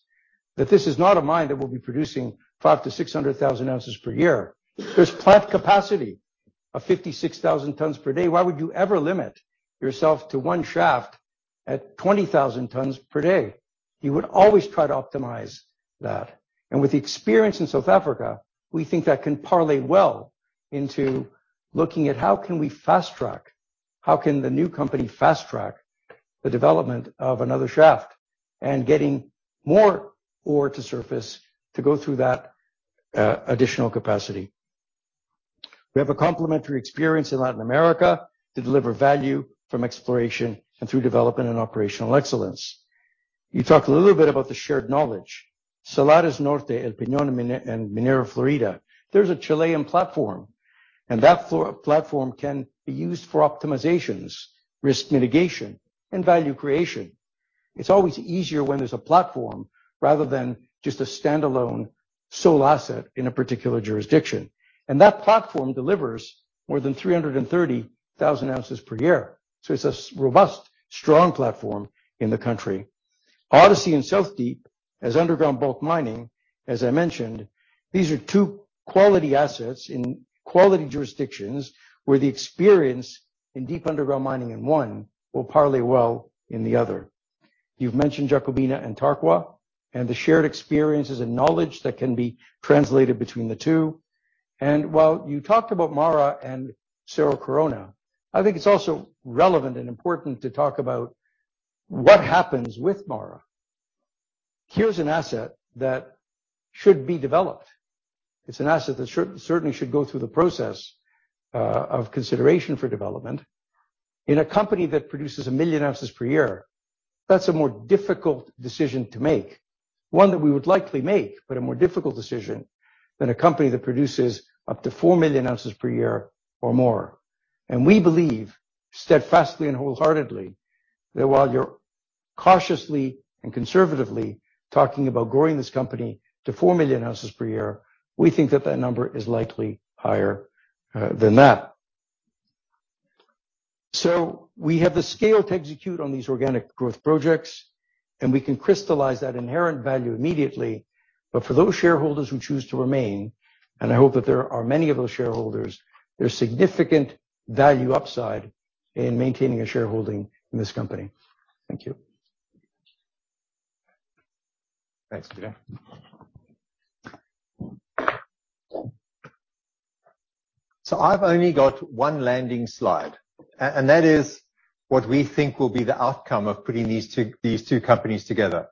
that this is not a mine that will be producing 500,000-600,000 ounces per year. There's plant capacity of 56,000 tons per day. Why would you ever limit yourself to one shaft at 20,000 tons per day? You would always try to optimize that. With experience in South Africa, we think that can parlay well into looking at how can we fast-track, how can the new company fast-track the development of another shaft and getting more ore to surface to go through that additional capacity. We have a complimentary experience in Latin America to deliver value from exploration and through development and operational excellence. You talked a little bit about the shared knowledge. Salares Norte, El Peñón and Minera Florida. There's a Chilean platform, and that platform can be used for optimizations, risk mitigation, and value creation. It's always easier when there's a platform rather than just a standalone sole asset in a particular jurisdiction. That platform delivers more than 330,000 ounces per year. It's a robust, strong platform in the country. Odyssey and South Deep has underground bulk mining. As I mentioned, these are two quality assets in quality jurisdictions where the experience in deep underground mining in one will parlay well in the other. You've mentioned Jacobina and Tarkwa and the shared experiences and knowledge that can be translated between the two. While you talked about MARA and Cerro Corona, I think it's also relevant and important to talk about what happens with MARA. Here's an asset that should be developed. It's an asset that certainly should go through the process of consideration for development. In a company that produces 1 million ounces per year, that's a more difficult decision to make. One that we would likely make, but a more difficult decision than a company that produces up to 4 million ounces per year or more. We believe steadfastly and wholeheartedly that while you're cautiously and conservatively talking about growing this company to 4 million ounces per year, we think that that number is likely higher than that. We have the scale to execute on these organic growth projects, and we can crystallize that inherent value immediately. For those shareholders who choose to remain, and I hope that there are many of those shareholders, there's significant value upside in maintaining a shareholding in this company. Thank you. Thanks, Peter. I've only got one landing slide, and that is what we think will be the outcome of putting these two companies together.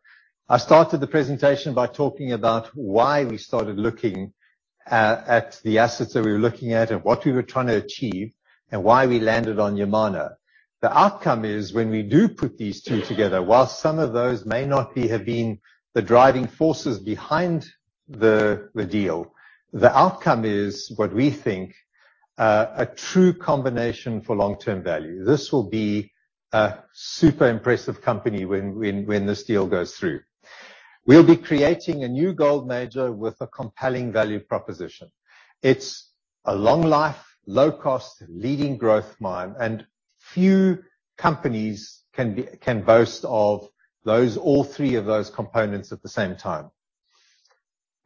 I started the presentation by talking about why we started looking at the assets that we were looking at and what we were trying to achieve and why we landed on Yamana. The outcome is when we do put these two together, while some of those may not have been the driving forces behind the deal, the outcome is what we think a true combination for long-term value. This will be a super impressive company when this deal goes through. We'll be creating a new gold major with a compelling value proposition. It's a long life, low cost, leading growth mine, and few companies can boast of those, all three of those components at the same time.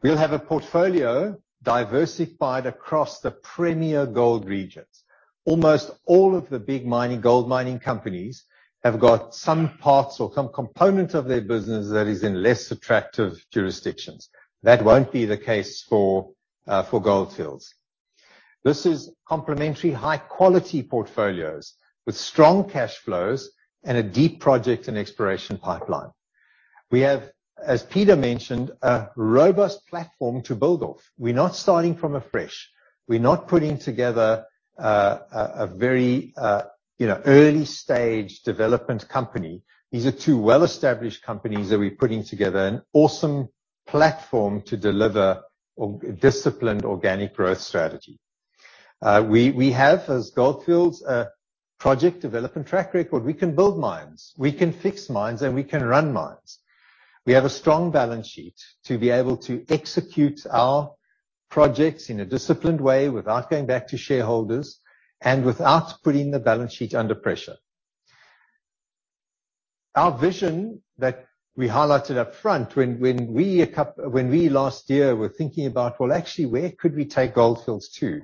We'll have a portfolio diversified across the premier gold regions. Almost all of the big mining, gold mining companies have got some parts or some component of their business that is in less attractive jurisdictions. That won't be the case for Gold Fields. This is complementary, high quality portfolios with strong cash flows and a deep project and exploration pipeline. We have, as Peter mentioned, a robust platform to build off. We're not starting from scratch. We're not putting together a very, you know, early stage development company. These are two well-established companies that we're putting together. An awesome platform to deliver disciplined organic growth strategy. We have, as Gold Fields, a project development track record. We can build mines, we can fix mines, and we can run mines. We have a strong balance sheet to be able to execute our projects in a disciplined way without going back to shareholders and without putting the balance sheet under pressure. Our vision that we highlighted up front when we last year were thinking about, well, actually, where could we take Gold Fields to?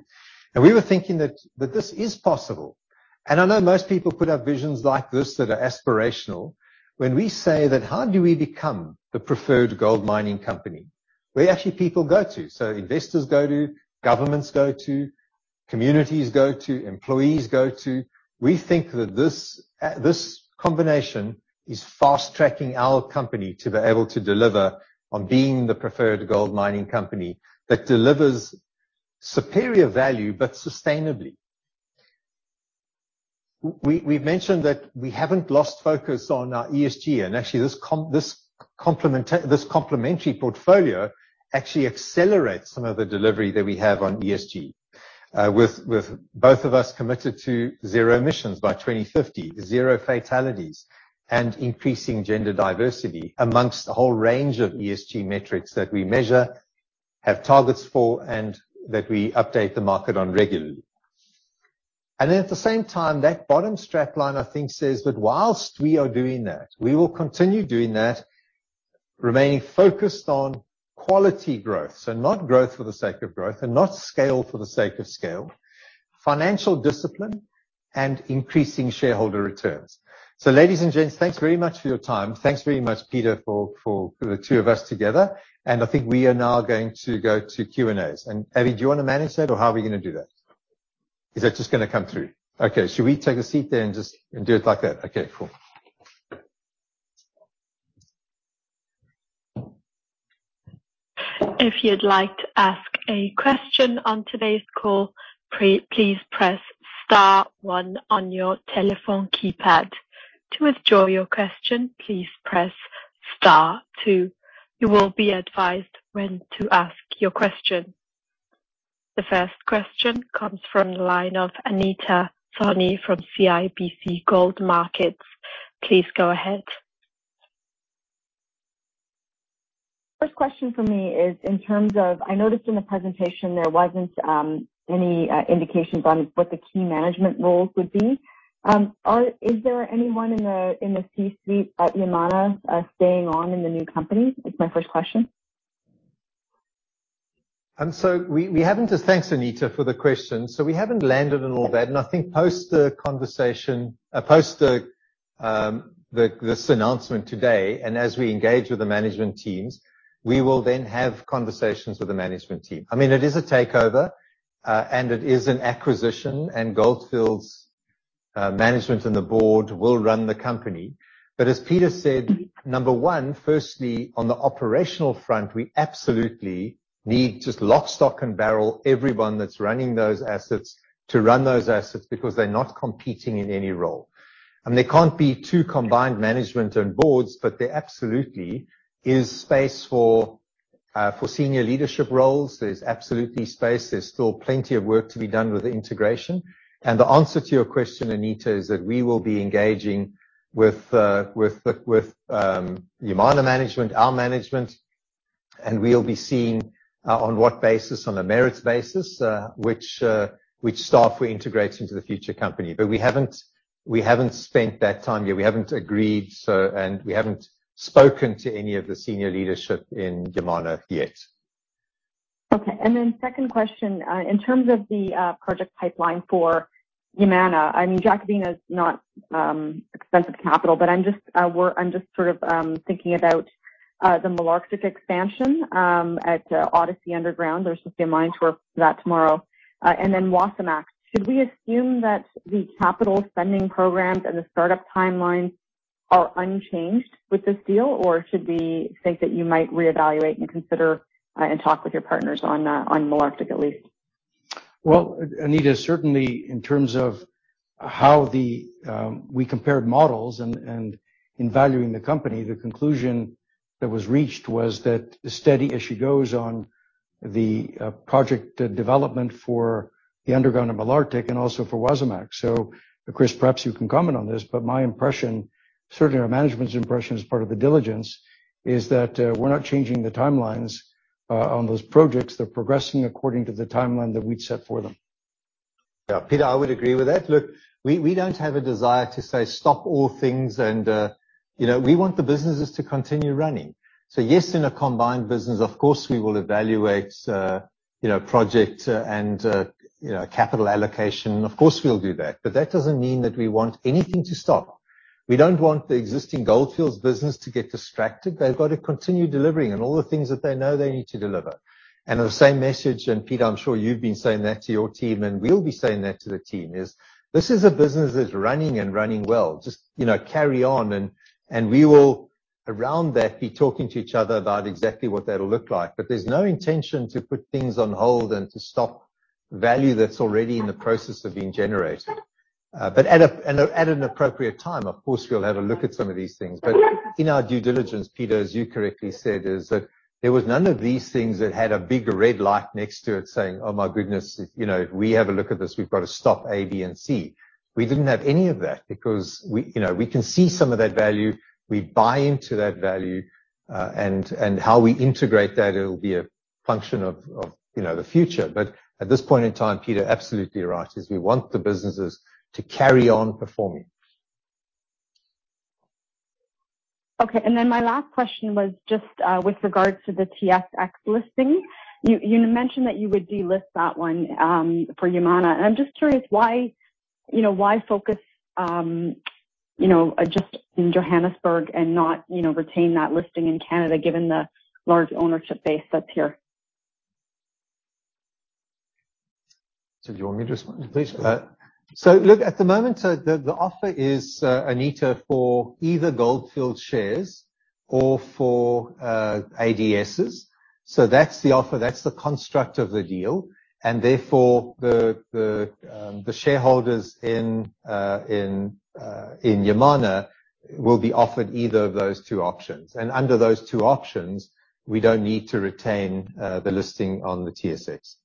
We were thinking that this is possible. I know most people put out visions like this that are aspirational. When we say that, how do we become the preferred gold mining company? Where actually people go to. Investors go to, governments go to, communities go to, employees go to. We think that this combination is fast-tracking our company to be able to deliver on being the preferred gold mining company that delivers superior value, but sustainably. We've mentioned that we haven't lost focus on our ESG, and actually, this complementary portfolio actually accelerates some of the delivery that we have on ESG. With both of us committed to zero emissions by 2050, zero fatalities, and increasing gender diversity among a whole range of ESG metrics that we measure, have targets for, and that we update the market on regularly. At the same time, that bottom strap line, I think, says that while we are doing that, we will continue doing that, remaining focused on quality growth. Not growth for the sake of growth and not scale for the sake of scale. Financial discipline and increasing shareholder returns. Ladies and gents, thanks very much for your time. Thanks very much, Peter, for the two of us together, and I think we are now going to go to Q&As. Avi, do you wanna manage that, or how are we gonna do that? Is that just gonna come through? Okay. Should we take a seat then just and do it like that? Okay, cool. If you'd like to ask a question on today's call, please press star one on your telephone keypad. To withdraw your question, please press star two. You will be advised when to ask your question. The first question comes from the line of Anita Soni from CIBC World Markets. Please go ahead. First question for me is in terms of, I noticed in the presentation there wasn't any indications on what the key management roles would be. Is there anyone in the C-suite at Yamana staying on in the new company? It's my first question. We haven't. Just thanks, Anita, for the question. We haven't landed on all that. I think post the conversation, post this announcement today, and as we engage with the management teams, we will then have conversations with the management team. I mean, it is a takeover, and it is an acquisition, and Gold Fields' management and the board will run the company. As Peter said, number one, firstly, on the operational front, we absolutely need just lock, stock, and barrel, everyone that's running those assets to run those assets because they're not competing in any role. There can't be two combined management and boards, but there absolutely is space for senior leadership roles. There's absolutely space. There's still plenty of work to be done with the integration. The answer to your question, Anita, is that we will be engaging with Yamana management, our management, and we'll be seeing on what basis, on a merits basis, which staff we integrate into the future company. We haven't spent that time yet. We haven't agreed so, and we haven't spoken to any of the senior leadership in Yamana yet. Okay. Second question, in terms of the project pipeline for Yamana, I mean, Jacobina is not expensive capital, but I'm just sort of thinking about the Malartic expansion at Odyssey Underground. There's just a mine tour for that tomorrow. And then Wasamac. Should we assume that the capital spending programs and the startup timelines are unchanged with this deal, or should we think that you might reevaluate and consider and talk with your partners on Malartic, at least? Well, Anita, certainly in terms of how the we compared models and in valuing the company, the conclusion that was reached was that steady as she goes on the project development for the underground of Malartic and also for Wasamac. Chris, perhaps you can comment on this, but my impression, certainly our management's impression as part of the diligence is that we're not changing the timelines on those projects. They're progressing according to the timeline that we'd set for them. Yeah. Peter, I would agree with that. Look, we don't have a desire to say stop all things and, you know, we want the businesses to continue running. Yes, in a combined business, of course, we will evaluate, you know, project and, you know, capital allocation. Of course, we'll do that. That doesn't mean that we want anything to stop. We don't want the existing Gold Fields business to get distracted. They've got to continue delivering and all the things that they know they need to deliver. The same message, Peter, I'm sure you've been saying that to your team, and we'll be saying that to the team, is this is a business that's running and running well. Just, you know, carry on and we will, around that, be talking to each other about exactly what that'll look like. There's no intention to put things on hold and to stop value that's already in the process of being generated. At an appropriate time, of course, we'll have a look at some of these things. In our due diligence, Peter, as you correctly said, is that there was none of these things that had a big red light next to it saying, "Oh, my goodness, you know, if we have a look at this, we've got to stop A, B, and C." We didn't have any of that because we, you know, we can see some of that value. We buy into that value, and how we integrate that, it'll be a function of, you know, the future. At this point in time, Peter, absolutely right, is we want the businesses to carry on performing. Okay. My last question was just with regards to the TSX listing. You mentioned that you would delist that one for Yamana. I'm just curious why, you know, why focus, you know, just in Johannesburg and not, you know, retain that listing in Canada, given the large ownership base that's here? Do you want me to respond, please? Look, at the moment, the offer is, Anita, for either Gold Fields shares or for ADSs. That's the offer, that's the construct of the deal, and therefore, the shareholders in Yamana will be offered either of those two options. Under those two options, we don't need to retain the listing on the TSX.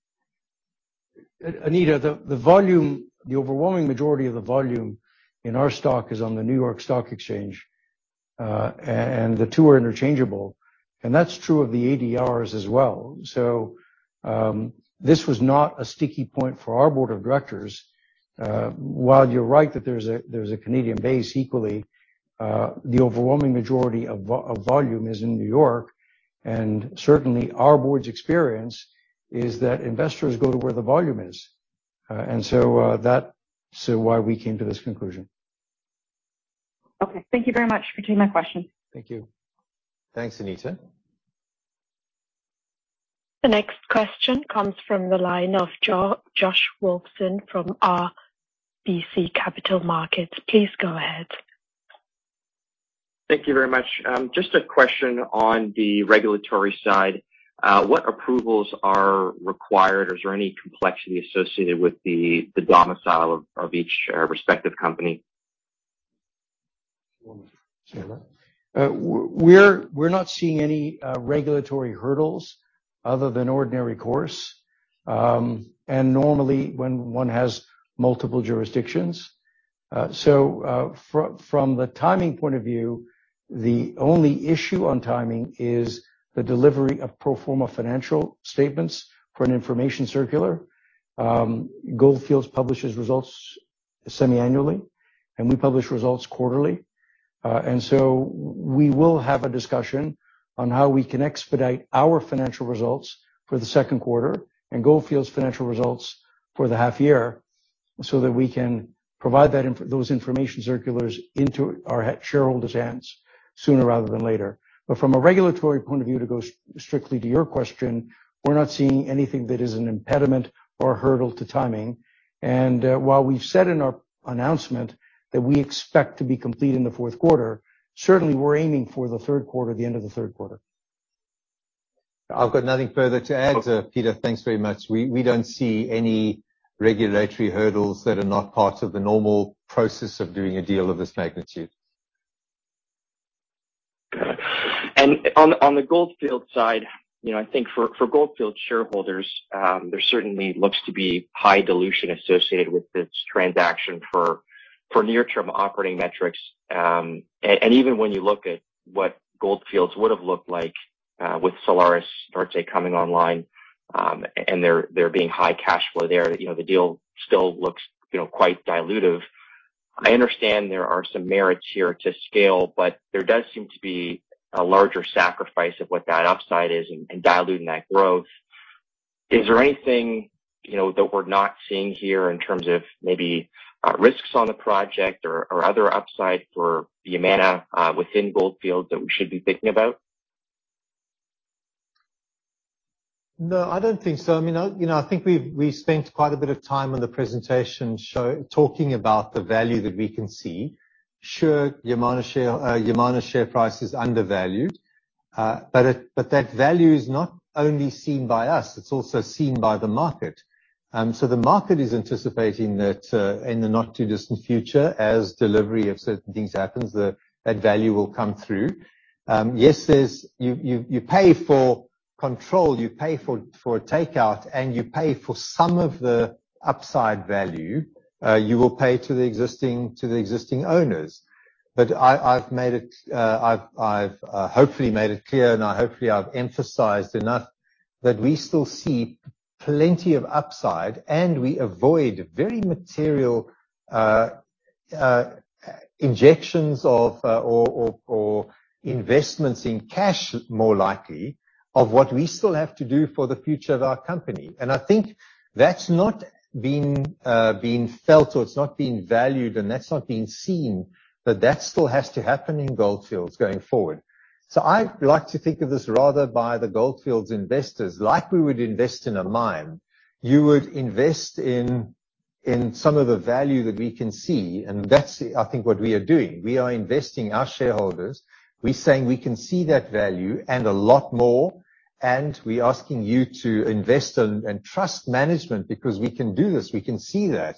Anita, the volume, the overwhelming majority of the volume in our stock is on the New York Stock Exchange, and the two are interchangeable, and that's true of the ADRs as well. This was not a sticky point for our board of directors. While you're right that there's a Canadian base equally, the overwhelming majority of volume is in New York, and certainly our board's experience is that investors go to where the volume is. That's why we came to this conclusion. Okay, thank you very much for taking my questions. Thank you. Thanks, Anita. The next question comes from the line of Josh Wolfson from RBC Capital Markets. Please go ahead. Thank you very much. Just a question on the regulatory side. What approvals are required, or is there any complexity associated with the domicile of each respective company? We're not seeing any regulatory hurdles other than ordinary course. Normally when one has multiple jurisdictions. From the timing point of view, the only issue on timing is the delivery of pro forma financial statements for an information circular. Gold Fields publishes results semi-annually, and we publish results quarterly. We will have a discussion on how we can expedite our financial results for the second quarter and Gold Fields financial results for the half year so that we can provide those information circulars into our shareholders' hands sooner rather than later. From a regulatory point of view, to go strictly to your question, we're not seeing anything that is an impediment or hurdle to timing. While we've said in our announcement that we expect to be complete in the fourth quarter, certainly we're aiming for the third quarter, the end of the third quarter. I've got nothing further to add to Peter. Thanks very much. We don't see any regulatory hurdles that are not part of the normal process of doing a deal of this magnitude. Got it. On the Gold Fields side, you know, I think for Gold Fields shareholders, there certainly looks to be high dilution associated with this transaction for near-term operating metrics. Even when you look at what Gold Fields would have looked like with Salares Norte per se coming online and there being high cash flow there, you know, the deal still looks, you know, quite dilutive. I understand there are some merits here to scale, but there does seem to be a larger sacrifice of what that upside is and diluting that growth. Is there anything, you know, that we're not seeing here in terms of maybe risks on the project or other upsides for Yamana within Gold Fields that we should be thinking about? No, I don't think so. I mean, I think we've spent quite a bit of time on the presentation. Talking about the value that we can see. Sure, Yamana share price is undervalued, but that value is not only seen by us, it's also seen by the market. The market is anticipating that in the not too distant future, as delivery of certain things happens, that value will come through. Yes, you pay for control, you pay for a takeout, and you pay for some of the upside value, you will pay to the existing owners. I've made it clear and hopefully I've emphasized enough that we still see plenty of upside and we avoid very material injections of or investments in cash, more likely, of what we still have to do for the future of our company. I think that's not being felt or it's not been valued and that's not been seen, but that still has to happen in Gold Fields going forward. I like to think of this rather by the Gold Fields investors, like we would invest in a mine. You would invest in some of the value that we can see, and that's, I think, what we are doing. We are investing in our shareholders. We're saying we can see that value and a lot more, and we're asking you to invest and trust management because we can do this, we can see that.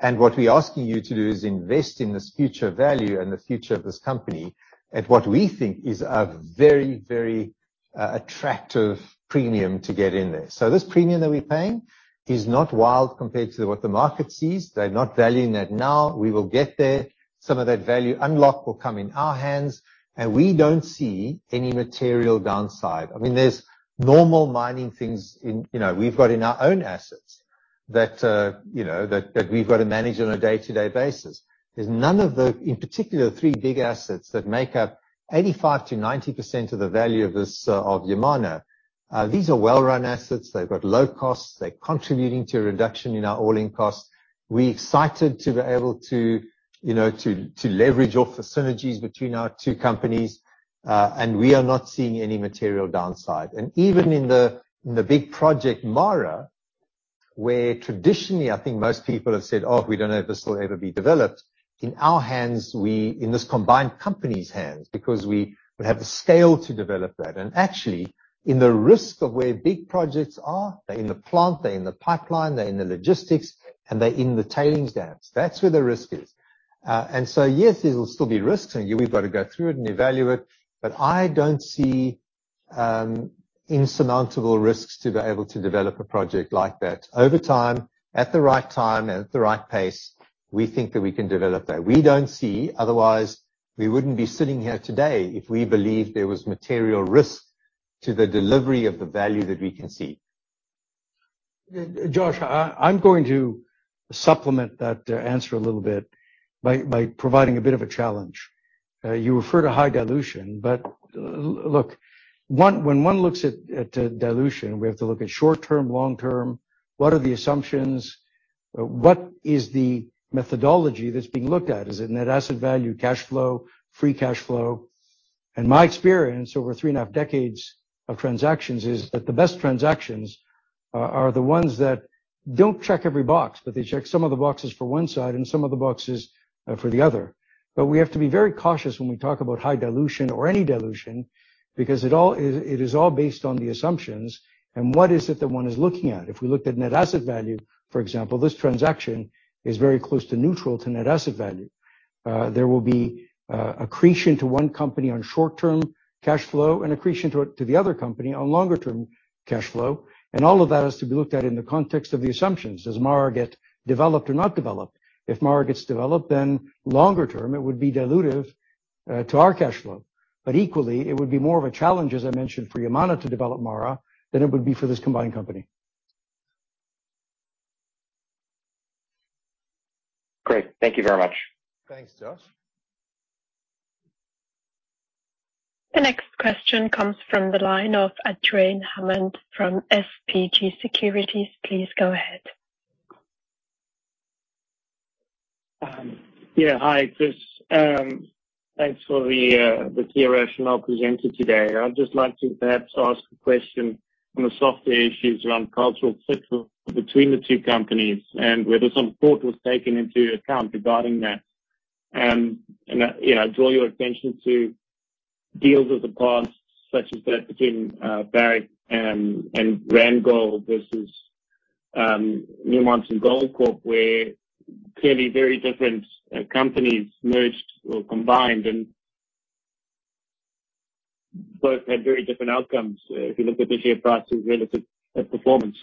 What we're asking you to do is invest in this future value and the future of this company at what we think is a very attractive premium to get in there. This premium that we're paying is not wild compared to what the market sees. They're not valuing that now. We will get there. Some of that value unlock will come in our hands, and we don't see any material downside. I mean, there's normal mining things in, you know, we've got in our own assets that, you know, that we've got to manage on a day-to-day basis. There's none of the, in particular, three big assets that make up 85%-90% of the value of this of Yamana. These are well-run assets. They've got low costs. They're contributing to a reduction in our all-in costs. We're excited to be able to, you know, to leverage off the synergies between our two companies, and we are not seeing any material downside. Even in the big project, MARA, where traditionally, I think most people have said, "Oh, we don't know if this will ever be developed." In our hands, in this combined company's hands because we would have the scale to develop that. Actually, in the risk of where big projects are, they're in the plant, they're in the pipeline, they're in the logistics, and they're in the tailings dams. That's where the risk is. Yes, there will still be risks, and we've got to go through it and evaluate, but I don't see insurmountable risks to be able to develop a project like that. Over time, at the right time and at the right pace, we think that we can develop that. We don't see, otherwise, we wouldn't be sitting here today if we believed there was material risk to the delivery of the value that we can see. Josh, I'm going to supplement that answer a little bit by providing a bit of a challenge. You refer to high dilution, but look, when one looks at dilution, we have to look at short-term, long-term, what are the assumptions? What is the methodology that's being looked at? Is it net asset value, cash flow, free cash flow? In my experience over three and a half decades of transactions is that the best transactions are the ones that don't check every box, but they check some of the boxes for one side and some of the boxes for the other. We have to be very cautious when we talk about high dilution or any dilution, because it is all based on the assumptions and what is it that one is looking at. If we looked at net asset value, for example, this transaction is very close to neutral to net asset value. There will be accretion to one company on short-term cash flow and accretion to the other company on longer-term cash flow. All of that has to be looked at in the context of the assumptions. Does MARA get developed or not developed? If MARA gets developed, then longer term, it would be dilutive to our cash flow. Equally, it would be more of a challenge, as I mentioned, for Yamana to develop MARA than it would be for this combined company. Great. Thank you very much. Thanks, Josh. The next question comes from the line of Adrian Hammond from SBG Securities. Please go ahead. Yeah. Hi, Chris. Thanks for the clear rationale presented today. I'd just like to perhaps ask a question on the softer issues around cultural fit between the two companies and whether some thought was taken into account regarding that. You know, I draw your attention to deals of the past, such as that between Barrick and Randgold versus Newmont and Goldcorp, where clearly very different companies merged or combined and both had very different outcomes if you look at the share prices relative to performance.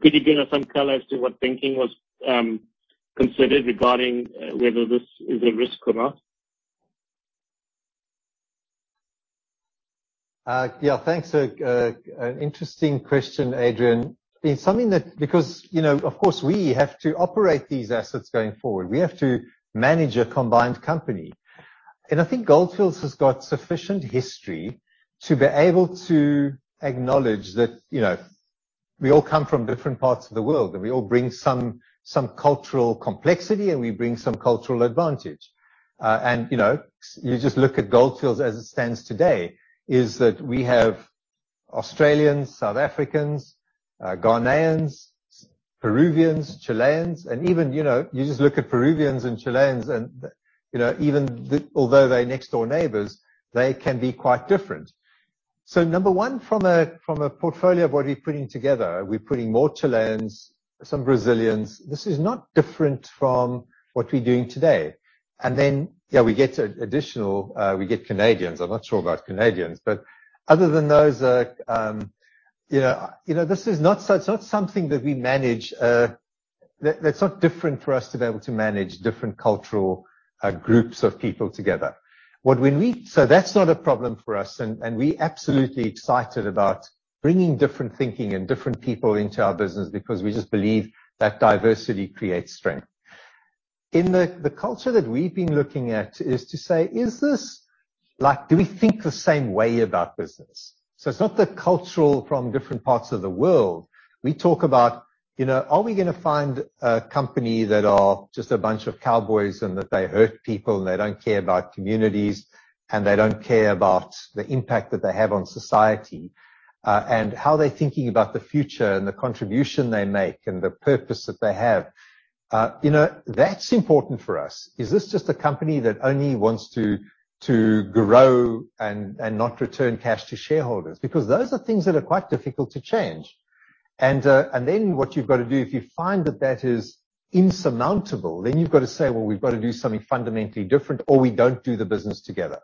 Could you give us some color as to what thinking was considered regarding whether this is a risk or not? An interesting question, Adrian. I mean, something that, because, you know, of course, we have to operate these assets going forward. We have to manage a combined company. I think Gold Fields has got sufficient history to be able to acknowledge that, you know, we all come from different parts of the world, and we all bring some cultural complexity, and we bring some cultural advantage. You know, you just look at Gold Fields as it stands today, is that we have Australians, South Africans, Ghanaians, Peruvians, Chileans, and even, you know, you just look at Peruvians and Chileans and, you know, even although they're next door neighbors, they can be quite different. Number one, from a portfolio of what we're putting together, we're putting more Chileans, some Brazilians. This is not different from what we're doing today. Yeah, we get additional, we get Canadians. I'm not sure about Canadians. Other than those, you know, it's not something that we manage. That's not different for us to be able to manage different cultural groups of people together. That's not a problem for us. We're absolutely excited about bringing different thinking and different people into our business because we just believe that diversity creates strength. In the culture that we've been looking at is to say, is this like, do we think the same way about business. It's not the culture from different parts of the world. We talk about, you know, are we gonna find a company that are just a bunch of cowboys and that they hurt people and that they don't care about communities and that they don't care about the impact that they have on society, and how they're thinking about the future and the contribution they make and the purpose that they have. You know, that's important for us. Is this just a company that only wants to grow and not return cash to shareholders? Because those are things that are quite difficult to change. Then what you've got to do, if you find that that is insurmountable, then you've got to say, "Well, we've got to do something fundamentally different, or we don't do the business together."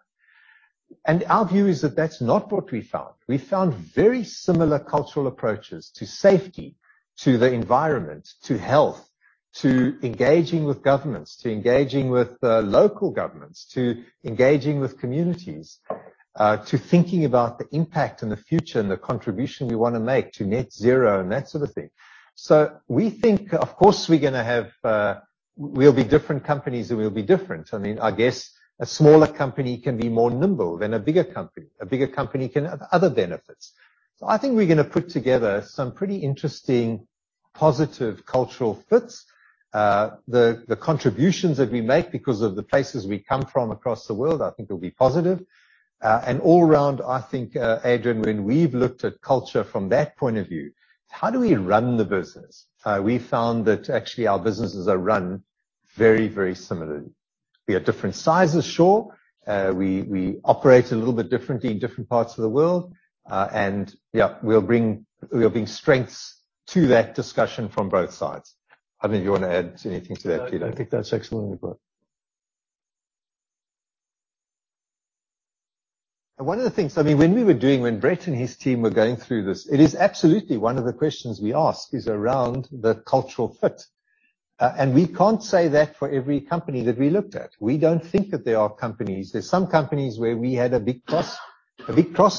Our view is that that's not what we found. We found very similar cultural approaches to safety, to the environment, to health, to engaging with governments, to engaging with, local governments, to engaging with communities, to thinking about the impact and the future and the contribution we wanna make to net zero and that sort of thing. We think, of course, we're gonna have. We'll be different companies and we'll be different. I mean, I guess a smaller company can be more nimble than a bigger company. A bigger company can have other benefits. I think we're gonna put together some pretty interesting positive cultural fits. The contributions that we make because of the places we come from across the world, I think will be positive. All around, I think, Adrian, when we've looked at culture from that point of view, how do we run the business? We found that actually our businesses are run very, very similarly. We are different sizes, sure. We operate a little bit differently in different parts of the world. Yeah, we'll bring strengths to that discussion from both sides. I don't know if you wanna add anything to that, Peter. I think that's excellent, Chris. One of the things, I mean, when Brett and his team were going through this, it is absolutely one of the questions we ask is around the cultural fit. We can't say that for every company that we looked at. We don't think that there are companies. There's some companies where we had a big cross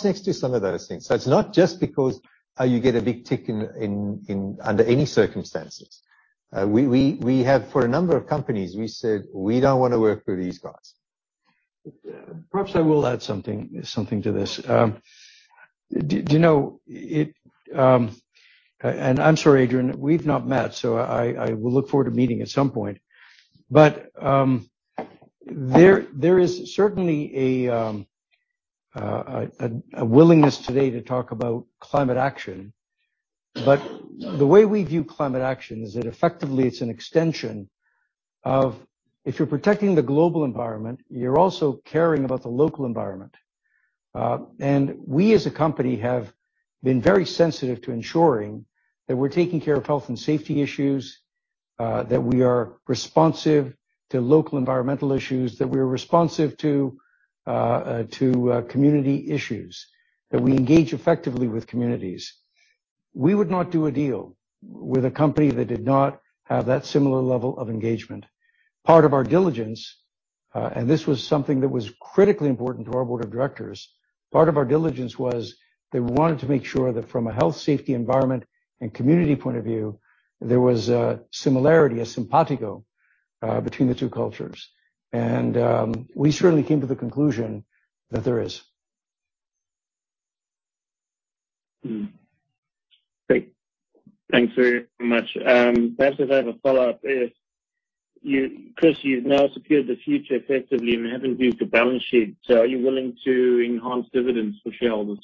next to some of those things. So it's not just because you get a big tick in under any circumstances. We have for a number of companies, we said, "We don't wanna work with these guys. Perhaps I will add something to this. I'm sorry, Adrian, we've not met, so I will look forward to meeting at some point. There is certainly a willingness today to talk about climate action. The way we view climate action is that effectively it's an extension of if you're protecting the global environment, you're also caring about the local environment. We as a company have been very sensitive to ensuring that we're taking care of health and safety issues, that we are responsive to local environmental issues, that we are responsive to community issues, that we engage effectively with communities. We would not do a deal with a company that did not have that similar level of engagement. Part of our diligence, and this was something that was critically important to our board of directors, part of our diligence was they wanted to make sure that from a health, safety, environment, and community point of view, there was a similarity, a simpatico, between the two cultures. We certainly came to the conclusion that there is. Great. Thanks very much. Perhaps if I have a follow-up, it's you, Chris. You've now secured the future effectively and have improved the balance sheet. Are you willing to enhance dividends for shareholders?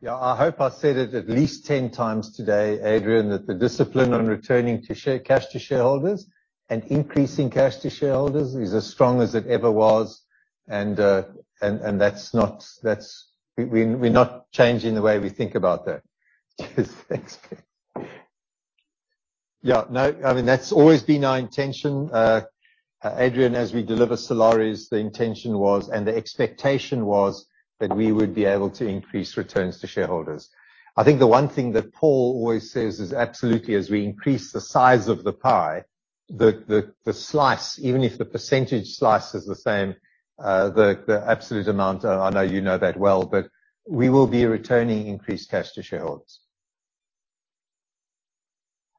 Yeah. I hope I said it at least 10x today, Adrian, that the discipline on returning to share cash to shareholders and increasing cash to shareholders is as strong as it ever was, and that's not. We're not changing the way we think about that. Thanks. Yeah, no. I mean, that's always been our intention. Adrian, as we deliver Salares, the intention was and the expectation was that we would be able to increase returns to shareholders. I think the one thing that Paul always says is absolutely, as we increase the size of the pie, the slice, even if the percentage slice is the same, the absolute amount. I know you know that well, but we will be returning increased cash to shareholders.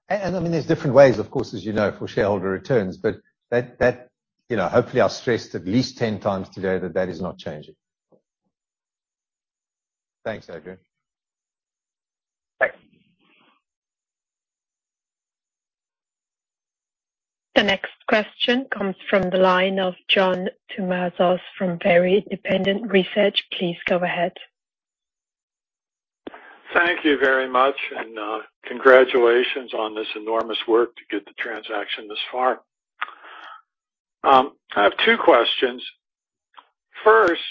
I mean, there's different ways, of course, as you know, for shareholder returns, but that, you know, hopefully, I've stressed at least 10x today that that is not changing. Thanks, Adrian. Thanks. The next question comes from the line of John Tumazos from Very Independent Research. Please go ahead. Thank you very much, and, congratulations on this enormous work to get the transaction this far. I have two questions. First,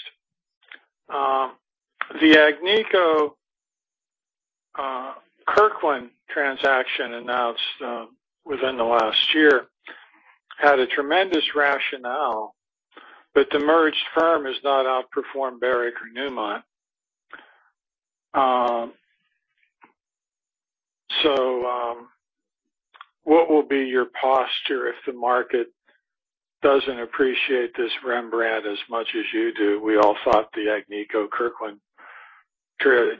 the Agnico-Kirkland transaction announced within the last year had a tremendous rationale, but the merged firm has not outperformed Barrick or Newmont. What will be your posture if the market doesn't appreciate this Rembrandt as much as you do? We all thought the Agnico-Kirkland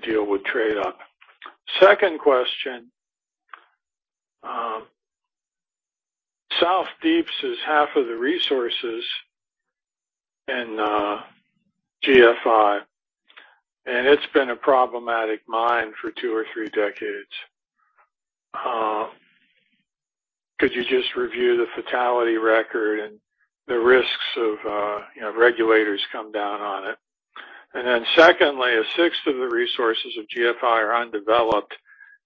deal would trade up. Second question. South Deep's is half of the resources in GFI, and it's been a problematic mine for two or three decades. Could you just review the fatality record and the risks of regulators come down on it. Then secondly, a sixth of the resources of GFI are undeveloped,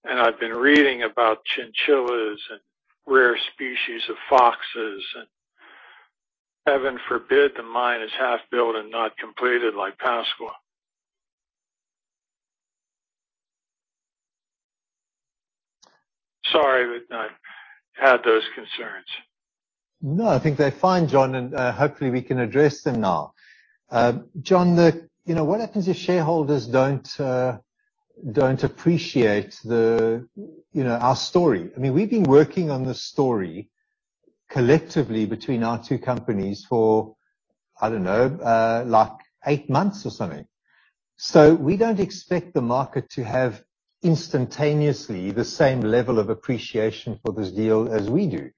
and I've been reading about chinchillas and rare species of foxes. Heaven forbid, the mine is half built and not completed like Pascua-Lama. Sorry, but I had those concerns. No, I think they're fine, John, and hopefully we can address them now. John, you know, what happens if shareholders don't appreciate the, you know, our story? I mean, we've been working on this story collectively between our two companies for, I don't know, like eight months or something. So we don't expect the market to have instantaneously the same level of appreciation for this deal as we do.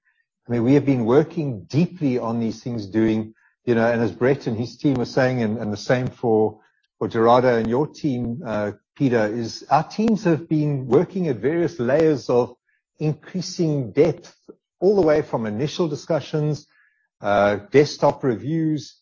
I mean, we have been working deeply on these things, you know, and as Brett and his team were saying, and the same for Gerardo and your team, Peter, as our teams have been working at various layers of increasing depth all the way from initial discussions, desktop reviews.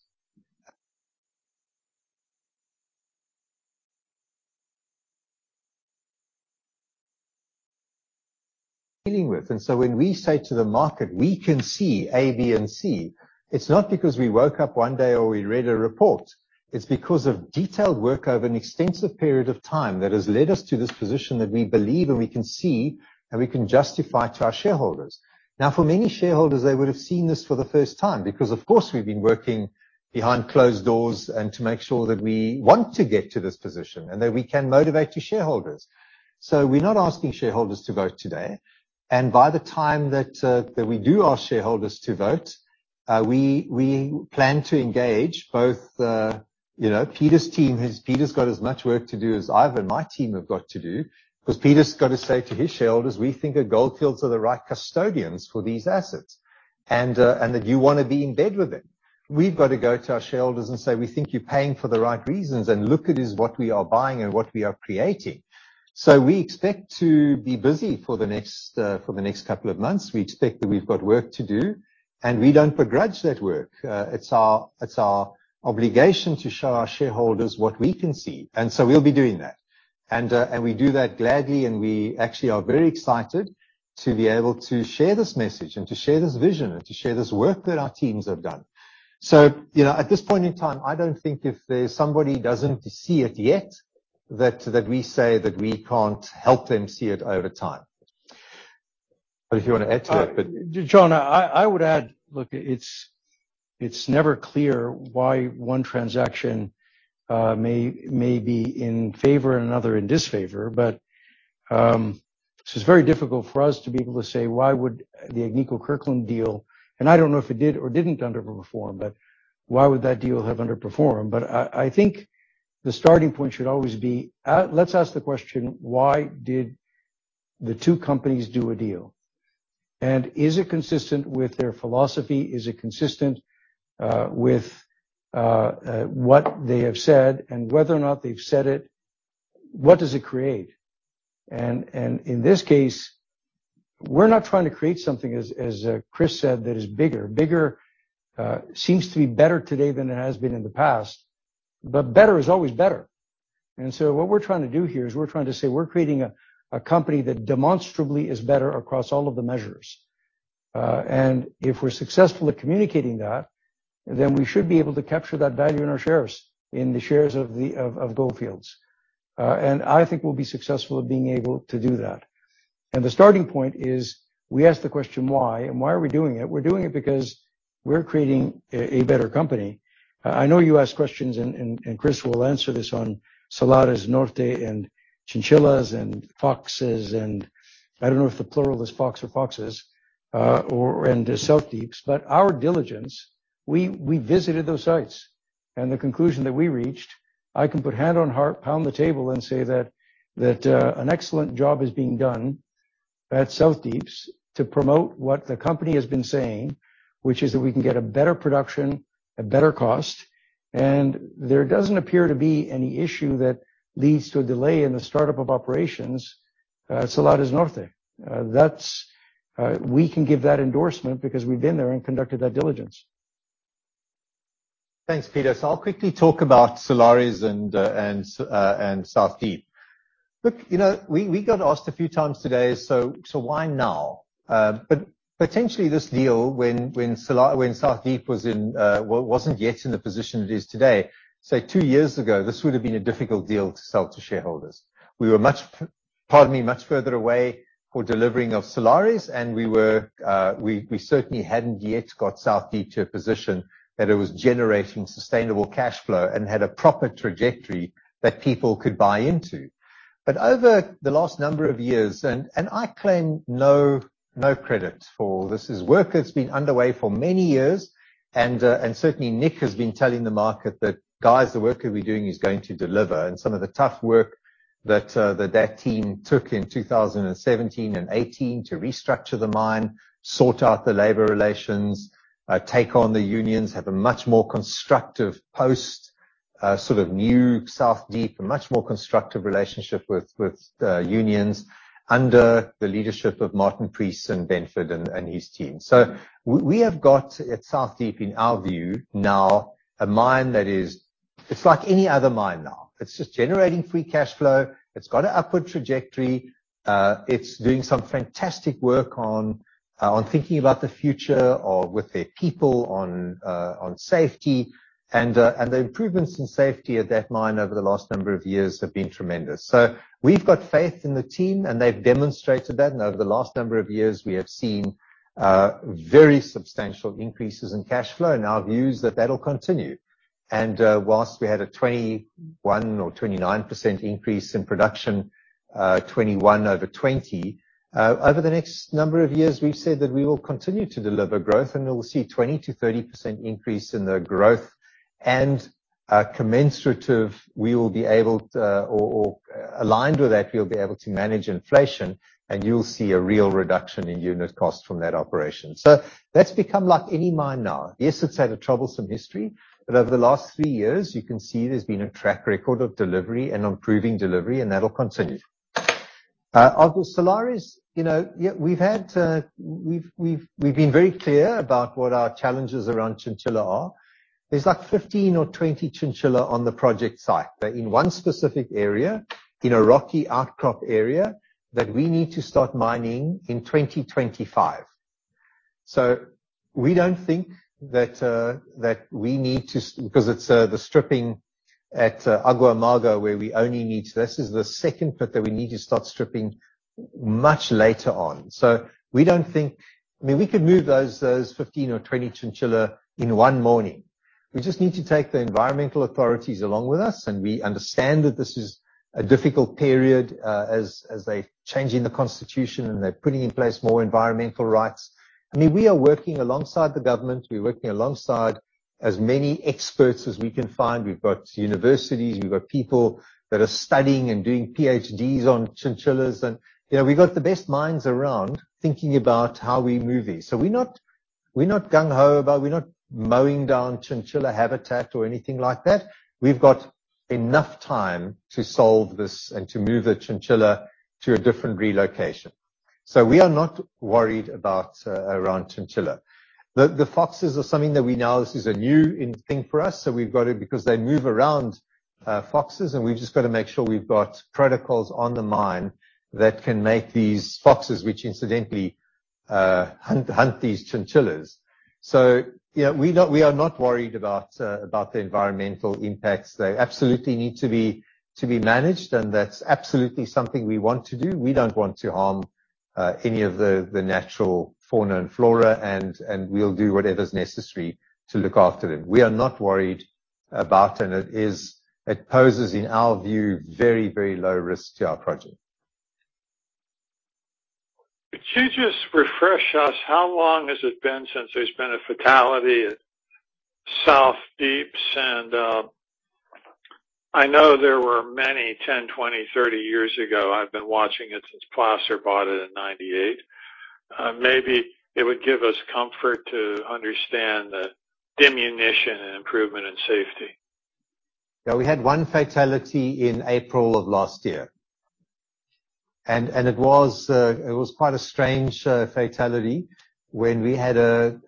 When we say to the market, we can see A, B, and C, it's not because we woke up one day or we read a report. It's because of detailed work over an extensive period of time that has led us to this position that we believe and we can see and we can justify to our shareholders. Now, for many shareholders, they would have seen this for the first time because, of course, we've been working behind closed doors and to make sure that we want to get to this position and that we can motivate your shareholders. We're not asking shareholders to vote today. By the time that we do ask shareholders to vote, we plan to engage both. You know, Peter's team has. Peter's got as much work to do as I've and my team have got to do, 'cause Peter's got to say to his shareholders, "We think that Gold Fields are the right custodians for these assets, and that you wanna be in bed with them." We've got to go to our shareholders and say, "We think you're paying for the right reasons, and look at this, what we are buying and what we are creating." We expect to be busy for the next couple of months. We expect that we've got work to do, and we don't begrudge that work. It's our obligation to show our shareholders what we can see, and we'll be doing that. We do that gladly, and we actually are very excited to be able to share this message, and to share this vision, and to share this work that our teams have done. You know, at this point in time, I don't think if there's somebody who doesn't see it yet, that we say that we can't help them see it over time. If you wanna add to that. John, I would add. Look, it's never clear why one transaction may be in favor and another in disfavor. It's very difficult for us to be able to say, why would the Agnico Eagle-Kirkland deal, and I don't know if it did or didn't underperform, but why would that deal have underperformed? I think the starting point should always be let's ask the question, why did the two companies do a deal? Is it consistent with their philosophy? Is it consistent with what they have said? Whether or not they've said it, what does it create? In this case, we're not trying to create something, as Chris said, that is bigger. Bigger seems to be better today than it has been in the past, but better is always better. What we're trying to do here is we're trying to say we're creating a company that demonstrably is better across all of the measures. If we're successful at communicating that, then we should be able to capture that value in our shares, in the shares of the Gold Fields. I think we'll be successful at being able to do that. The starting point is we ask the question why, and why are we doing it? We're doing it because we're creating a better company. I know you asked questions, and Chris will answer this on Salares Norte and chinchillas and foxes and I don't know if the plural is fox or foxes, or, and the South Deep. Our diligence, we visited those sites. The conclusion that we reached, I can put hand on heart, pound the table, and say that an excellent job is being done at South Deep to promote what the company has been saying, which is that we can get a better production at better cost. There doesn't appear to be any issue that leads to a delay in the startup of operations at Salares Norte. We can give that endorsement because we've been there and conducted that diligence. Thanks, Peter. I'll quickly talk about Salares and South Deep. Look, we got asked a few times today, why now? Potentially this deal when South Deep wasn't yet in the position it is today, say two years ago, this would have been a difficult deal to sell to shareholders. We were much, pardon me, much further away from delivering Salares, and we certainly hadn't yet got South Deep to a position that it was generating sustainable cash flow and had a proper trajectory that people could buy into. Over the last number of years, I claim no credit for this. This work has been underway for many years, and certainly Nick has been telling the market that, "Guys, the work that we're doing is going to deliver." Some of the tough work that team took in 2017 and 2018 to restructure the mine, sort out the labor relations, take on the unions, have a much more constructive post, sort of new South Deep, a much more constructive relationship with unions under the leadership of Martin Preece and Benford and his team. We have got at South Deep, in our view now, a mine that is, it's like any other mine now. It's just generating free cash flow. It's got an upward trajectory. It's doing some fantastic work on thinking about the future or with their people on safety. The improvements in safety at that mine over the last number of years have been tremendous. We've got faith in the team and they've demonstrated that. Over the last number of years we have seen very substantial increases in cash flow, and our view is that that'll continue. Whilst we had a 21% or 29% increase in production, 21 over 20, over the next number of years, we've said that we will continue to deliver growth and we'll see 20%-30% increase in the growth. Commensurate, or aligned with that, we will be able to manage inflation and you'll see a real reduction in unit cost from that operation. That's become like any mine now. Yes, it's had a troublesome history, but over the last three years you can see there's been a track record of delivery and improving delivery and that'll continue. Of the Salares, you know, yeah, we've had. We've been very clear about what our challenges around chinchilla are. There's like 15 or 20 chinchilla on the project site. They're in one specific area, in a rocky outcrop area that we need to start mining in 2025. We don't think that that we need to because it's the stripping at Agua Amarga where we only need to. This is the second pit that we need to start stripping much later on. We don't think. I mean, we could move those 15 or 20 chinchilla in one morning. We just need to take the environmental authorities along with us, and we understand that this is a difficult period as they're changing the constitution and they're putting in place more environmental rights. I mean, we are working alongside the government. We're working alongside as many experts as we can find. We've got universities, we've got people that are studying and doing Ph.D.s on chinchillas and, you know, we've got the best minds around thinking about how we move these. We're not gung ho about it. We're not mowing down chinchilla habitat or anything like that. We've got enough time to solve this and to move the chinchilla to a different relocation. We are not worried about around chinchilla. The foxes are something that we know this is a new thing for us, so we've got to because they move around, and we've just gotta make sure we've got protocols on the mine that can manage these foxes, which incidentally hunt these chinchillas. You know, we're not, we are not worried about the environmental impacts. They absolutely need to be managed, and that's absolutely something we want to do. We don't want to harm any of the natural fauna and flora, and we'll do whatever's necessary to look after them. We are not worried about it. It poses, in our view, very, very low risk to our project. Could you just refresh us how long has it been since there's been a fatality at South Deep? I know there were many, 10, 20, 30 years ago. I've been watching it since Placer Dome bought it in 1998. Maybe it would give us comfort to understand the diminution and improvement in safety. Yeah, we had one fatality in April of last year. It was quite a strange fatality when we had a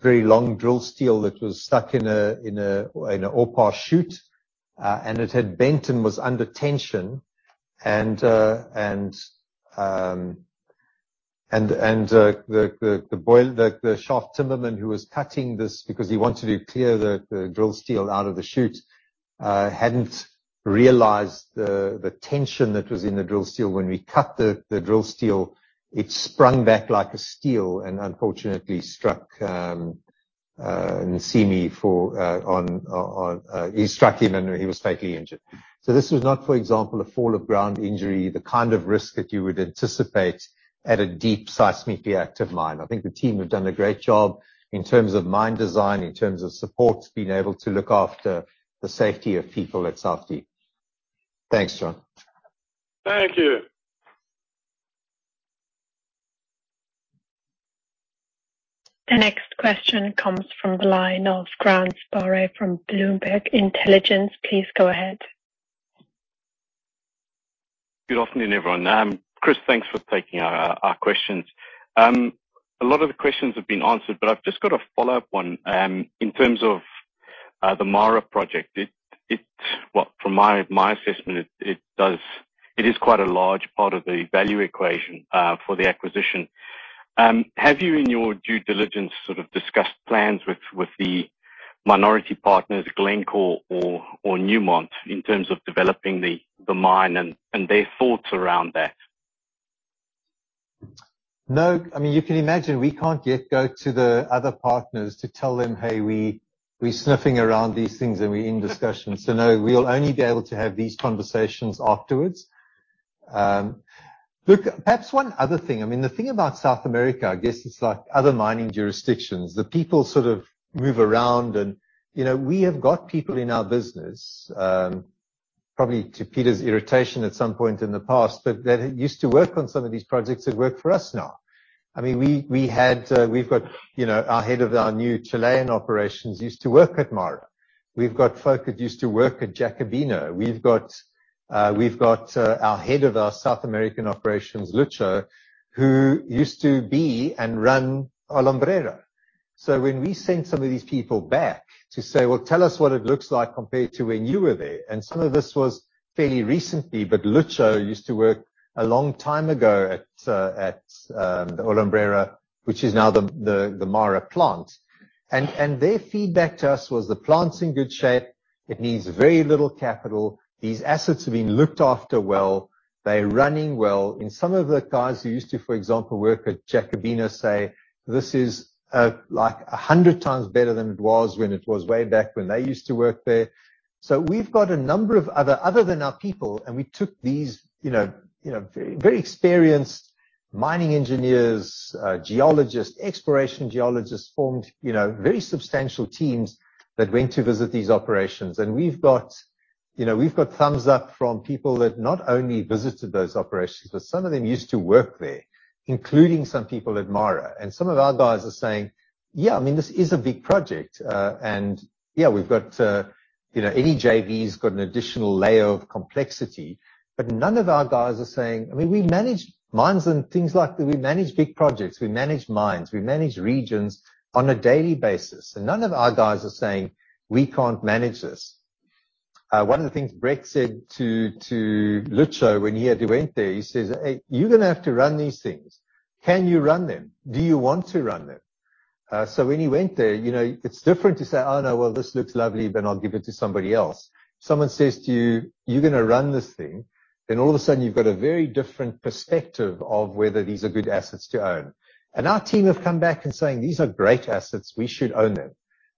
very long drill steel that was stuck in a ore pass chute, and it had bent and was under tension. The shaft timberman who was cutting this because he wanted to clear the drill steel out of the chute hadn't realized the tension that was in the drill steel. When we cut the drill steel, it sprung back like a steel and unfortunately struck, it struck him, and he was fatally injured. This was not, for example, a fall of ground injury, the kind of risk that you would anticipate at a deep seismically active mine. I think the team have done a great job in terms of mine design, in terms of support, being able to look after the safety of people at South Deep. Thanks, John. Thank you. The next question comes from the line of Grant Sporre from Bloomberg Intelligence. Please go ahead. Good afternoon, everyone. Chris, thanks for taking our questions. A lot of the questions have been answered, but I've just got a follow-up one, in terms of the MARA project. Well, from my assessment, it is quite a large part of the value equation for the acquisition. Have you, in your due diligence, sort of discussed plans with the minority partners, Glencore or Newmont, in terms of developing the mine and their thoughts around that? No. I mean, you can imagine we can't yet go to the other partners to tell them, "Hey, we're sniffing around these things, and we're in discussions." So no, we'll only be able to have these conversations afterwards. Look, perhaps one other thing, I mean, the thing about South America, I guess it's like other mining jurisdictions. The people sort of move around and, you know, we have got people in our business, probably to Peter's irritation at some point in the past, but that used to work on some of these projects that work for us now. I mean, we've got, you know, our head of our new Chilean operations used to work at MARA. We've got folk that used to work at Jacobina. We've got our head of our South American operations, Lucho, who used to be and run Alumbrera. When we send some of these people back to say, "Well, tell us what it looks like compared to when you were there." Some of this was fairly recently, but Lucho used to work a long time ago at the Alumbrera, which is now the MARA plant. Their feedback to us was the plant's in good shape. It needs very little capital. These assets have been looked after well. They're running well. Some of the guys who used to, for example, work at Jacobina say, this is like 100x better than it was when it was way back when they used to work there. We've got a number of other than our people, and we took these, you know, very experienced mining engineers, geologists, exploration geologists, formed very substantial teams that went to visit these operations. We've got thumbs up from people that not only visited those operations, but some of them used to work there, including some people at MARA. Some of our guys are saying, "Yeah, I mean, this is a big project." Yeah, we've got you know, any JV's got an additional layer of complexity. None of our guys are saying. I mean, we manage mines and things like that. We manage big projects, we manage mines, we manage regions on a daily basis. None of our guys are saying, "We can't manage this." One of the things Brett said to Lucho when he had to went there, he says, "Hey, you're gonna have to run these things. Can you run them? Do you want to run them?" When he went there, you know, it's different to say, "Oh, no. Well, this looks lovely. Then I'll give it to somebody else." Someone says to you, "You're gonna run this thing," then all of a sudden you've got a very different perspective of whether these are good assets to own. Our team have come back and saying, "These are great assets. We should own them."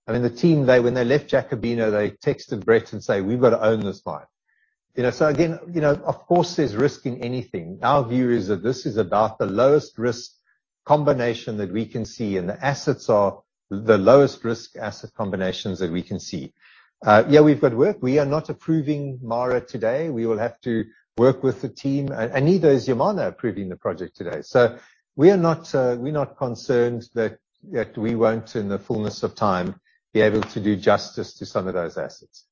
I mean, the team, they, when they left Jacobina, they texted Brett and say, "We've got to own this mine." You know, so again, you know, of course there's risk in anything. Our view is that this is about the lowest risk combination that we can see, and the assets are the lowest risk asset combinations that we can see. Yeah, we've got work. We are not approving MARA today. We will have to work with the team. Neither is Yamana approving the project today. We are not concerned that we won't, in the fullness of time, be able to do justice to some of those assets.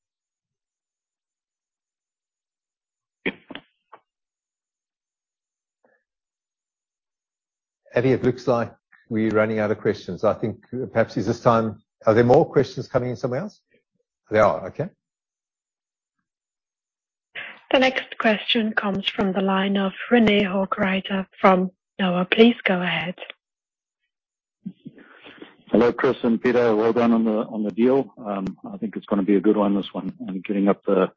Avi, it looks like we're running out of questions. I think perhaps it's this time. Are there more questions coming in somewhere else? There are. Okay. The next question comes from the line of René Hochreiter from NOAH. Please go ahead. Hello, Chris and Peter. Well done on the deal. I think it's gonna be a good one, this one, and getting up the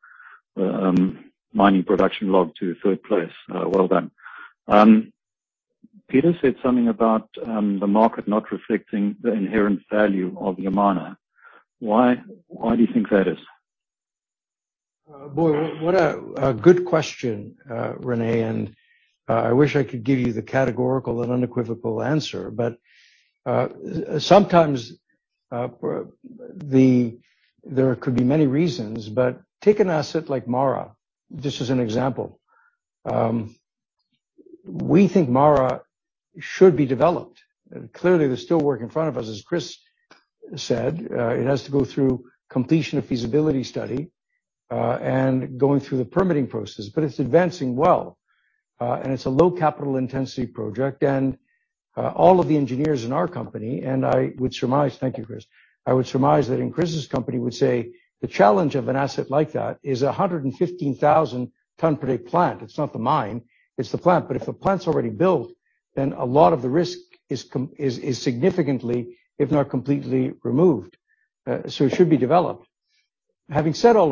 mining production league to third place. Well done. Peter said something about the market not reflecting the inherent value of Yamana. Why do you think that is? Boy, what a good question, René, and I wish I could give you the categorical and unequivocal answer. Sometimes there could be many reasons, but take an asset like MARA. Just as an example. We think MARA should be developed. Clearly, there's still work in front of us. As Chris said, it has to go through completion of feasibility study, and going through the permitting process. It's advancing well, and it's a low capital intensity project. All of the engineers in our company, and I would surmise. Thank you, Chris. I would surmise that in Chris' company would say the challenge of an asset like that is a 115,000 ton per day plant. It's not the mine, it's the plant. If the plant's already built, then a lot of the risk is significantly, if not completely removed, so it should be developed. Having said all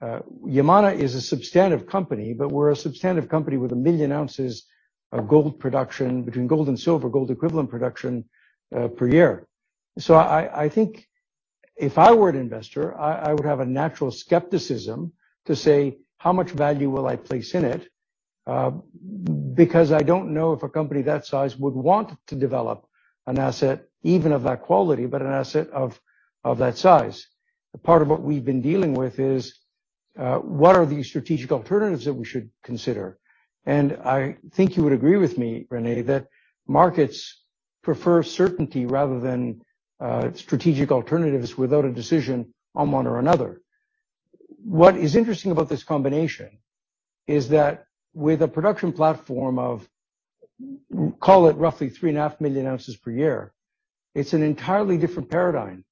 of that, Yamana is a substantive company, but we're a substantive company with 1 million ounces of gold production between gold and silver, gold equivalent production, per year. I think if I were an investor, I would have a natural skepticism to say, how much value will I place in it? Because I don't know if a company that size would want to develop an asset even of that quality, but an asset of that size. Part of what we've been dealing with is, what are the strategic alternatives that we should consider. I think you would agree with me, René, that markets prefer certainty rather than strategic alternatives without a decision on one or another. What is interesting about this combination is that with a production platform of, call it, roughly 3.5 million ounces per year, it's an entirely different paradigm,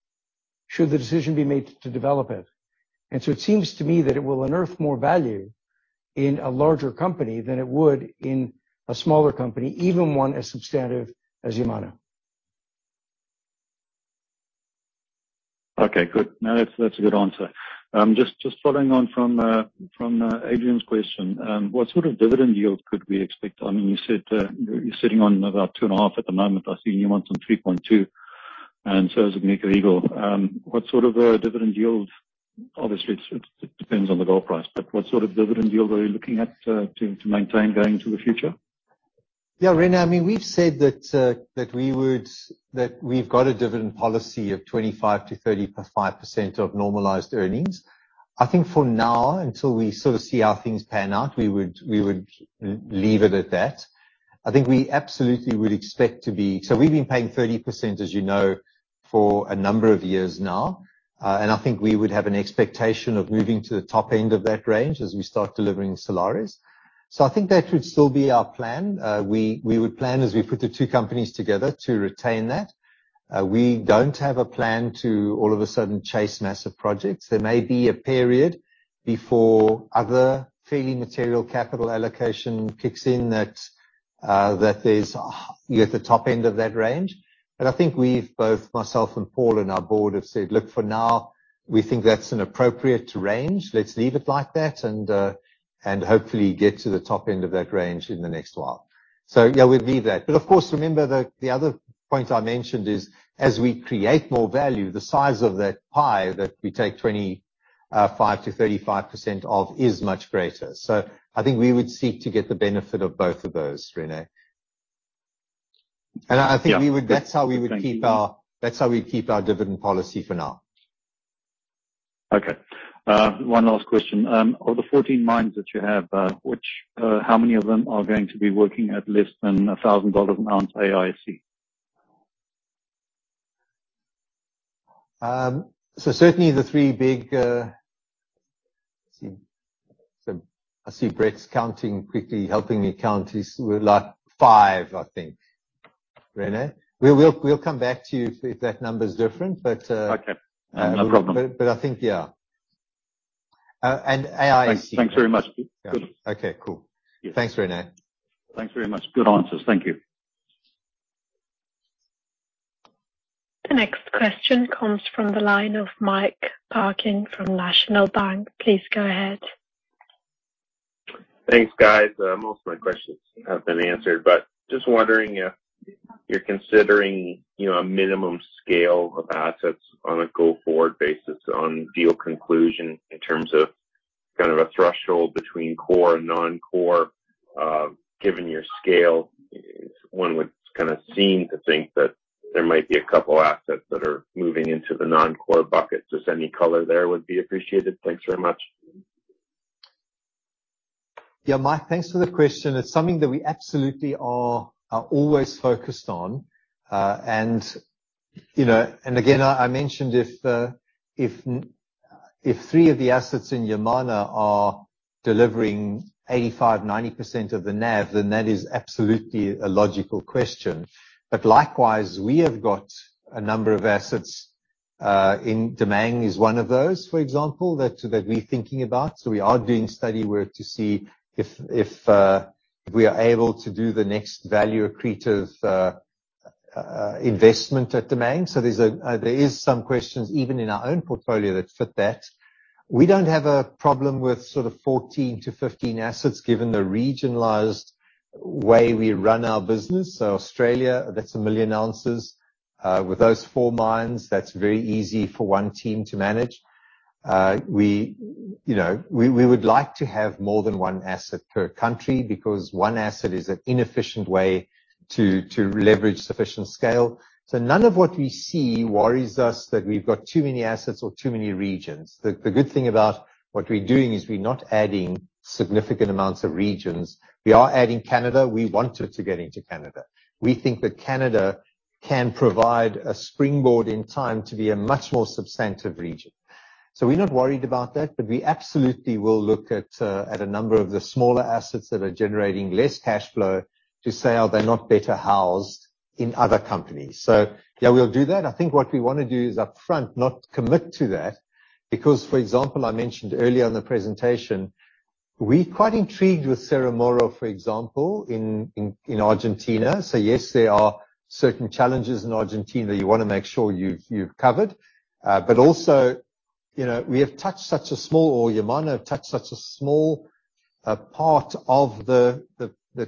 should the decision be made to develop it. It seems to me that it will unearth more value in a larger company than it would in a smaller company, even one as substantive as Yamana. Okay, good. No, that's a good answer. Just following on from Adrian's question, what sort of dividend yield could we expect? I mean, you said you're sitting on about 2.5% at the moment. I see Newmont on 3.2%, and so is Agnico Eagle. What sort of a dividend yield? Obviously, it depends on the gold price, but what sort of dividend yield are you looking at to maintain going into the future? Yeah. René, I mean, we've said that we've got a dividend policy of 25%-35% of normalized earnings. I think for now, until we sort of see how things pan out, we would leave it at that. I think we absolutely would expect to be so. We've been paying 30%, as you know, for a number of years now. I think we would have an expectation of moving to the top end of that range as we start delivering Salares. I think that would still be our plan. We would plan as we put the two companies together to retain that. We don't have a plan to all of a sudden chase massive projects. There may be a period before other fairly material capital allocation kicks in that is, you know, at the top end of that range. I think we've, both myself and Paul and our board, have said, "Look, for now, we think that's an appropriate range. Let's leave it like that and hopefully get to the top end of that range in the next while." Yeah, we'd leave that. Of course, remember the other point I mentioned is, as we create more value, the size of that pie that we take 25%-35% of is much greater. I think we would seek to get the benefit of both of those, René. Yeah. That's how we would keep our- Thank you. That's how we keep our dividend policy for now. Okay. One last question. Of the 14 mines that you have, how many of them are going to be working at less than $1,000 an ounce AISC? Certainly the three big. Let's see. I see Brett's counting quickly, helping me count. We're like five, I think, René. We'll come back to you if that number is different, but. Okay. No problem. I think, yeah. AISC. Thanks very much. Good. Okay, cool. Yes. Thanks, René. Thanks very much. Good answers. Thank you. The next question comes from the line of Mike Parkin from National Bank Financial. Please go ahead. Thanks, guys. Most of my questions have been answered, but just wondering if you're considering, you know, a minimum scale of assets on a go-forward basis on deal conclusion in terms of kind of a threshold between core and non-core, given your scale. One would kind of seem to think that there might be a couple assets that are moving into the non-core bucket. Just any color there would be appreciated. Thanks very much. Yeah, Mike, thanks for the question. It's something that we absolutely are always focused on. You know, again, I mentioned if three of the assets in Yamana are delivering 85%-90% of the NAV, then that is absolutely a logical question. Likewise, we have got a number of assets. Damang is one of those, for example, that we're thinking about. We are doing study work to see if we are able to do the next value accretive investment at Damang. There is some questions even in our own portfolio that fit that. We don't have a problem with sort of 14-15 assets given the regionalized way we run our business. Australia, that's 1 million ounces. With those four mines, that's very easy for one team to manage. We, you know, we would like to have more than one asset per country because one asset is an inefficient way to leverage sufficient scale. None of what we see worries us that we've got too many assets or too many regions. The good thing about what we're doing is we're not adding significant amounts of regions. We are adding Canada. We wanted to get into Canada. We think that Canada can provide a springboard in time to be a much more substantive region. We're not worried about that, but we absolutely will look at a number of the smaller assets that are generating less cash flow to say, "Are they not better housed in other companies?" Yeah, we'll do that. I think what we wanna do is upfront not commit to that because, for example, I mentioned earlier in the presentation, we're quite intrigued with Cerro Moro, for example, in Argentina. Yes, there are certain challenges in Argentina you wanna make sure you've covered. But also, you know, we have touched such a small, or Yamana have touched such a small part of the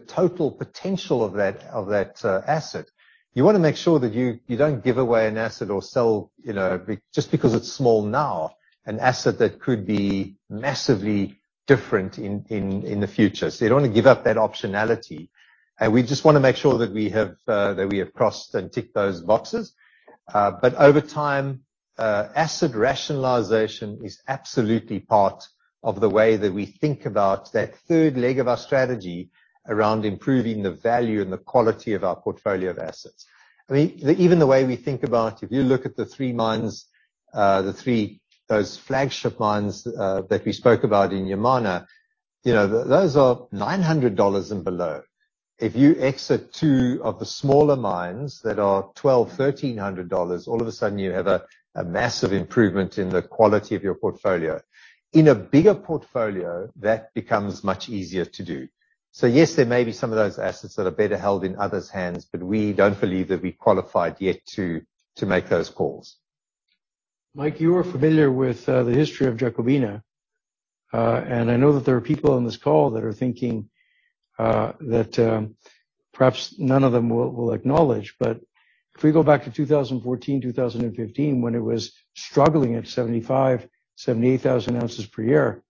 total potential of that asset. You wanna make sure that you don't give away an asset or sell, you know, just because it's small now, an asset that could be massively different in the future. You don't wanna give up that optionality. We just wanna make sure that we have crossed and ticked those boxes. Over time, asset rationalization is absolutely part of the way that we think about that third leg of our strategy around improving the value and the quality of our portfolio of assets. I mean, even the way we think about, if you look at the three mines, those flagship mines, that we spoke about in Yamana, you know, those are $900 and below. If you exit two of the smaller mines that are $1,200, $1,300, all of a sudden you have a massive improvement in the quality of your portfolio. In a bigger portfolio, that becomes much easier to do. Yes, there may be some of those assets that are better held in others' hands, but we don't believe that we're qualified yet to make those calls. Mike, you are familiar with the history of Jacobina. I know that there are people on this call that are thinking that perhaps none of them will acknowledge. But if we go back to 2014, 2015, when it was struggling at 75,000-78,000 ounces per year,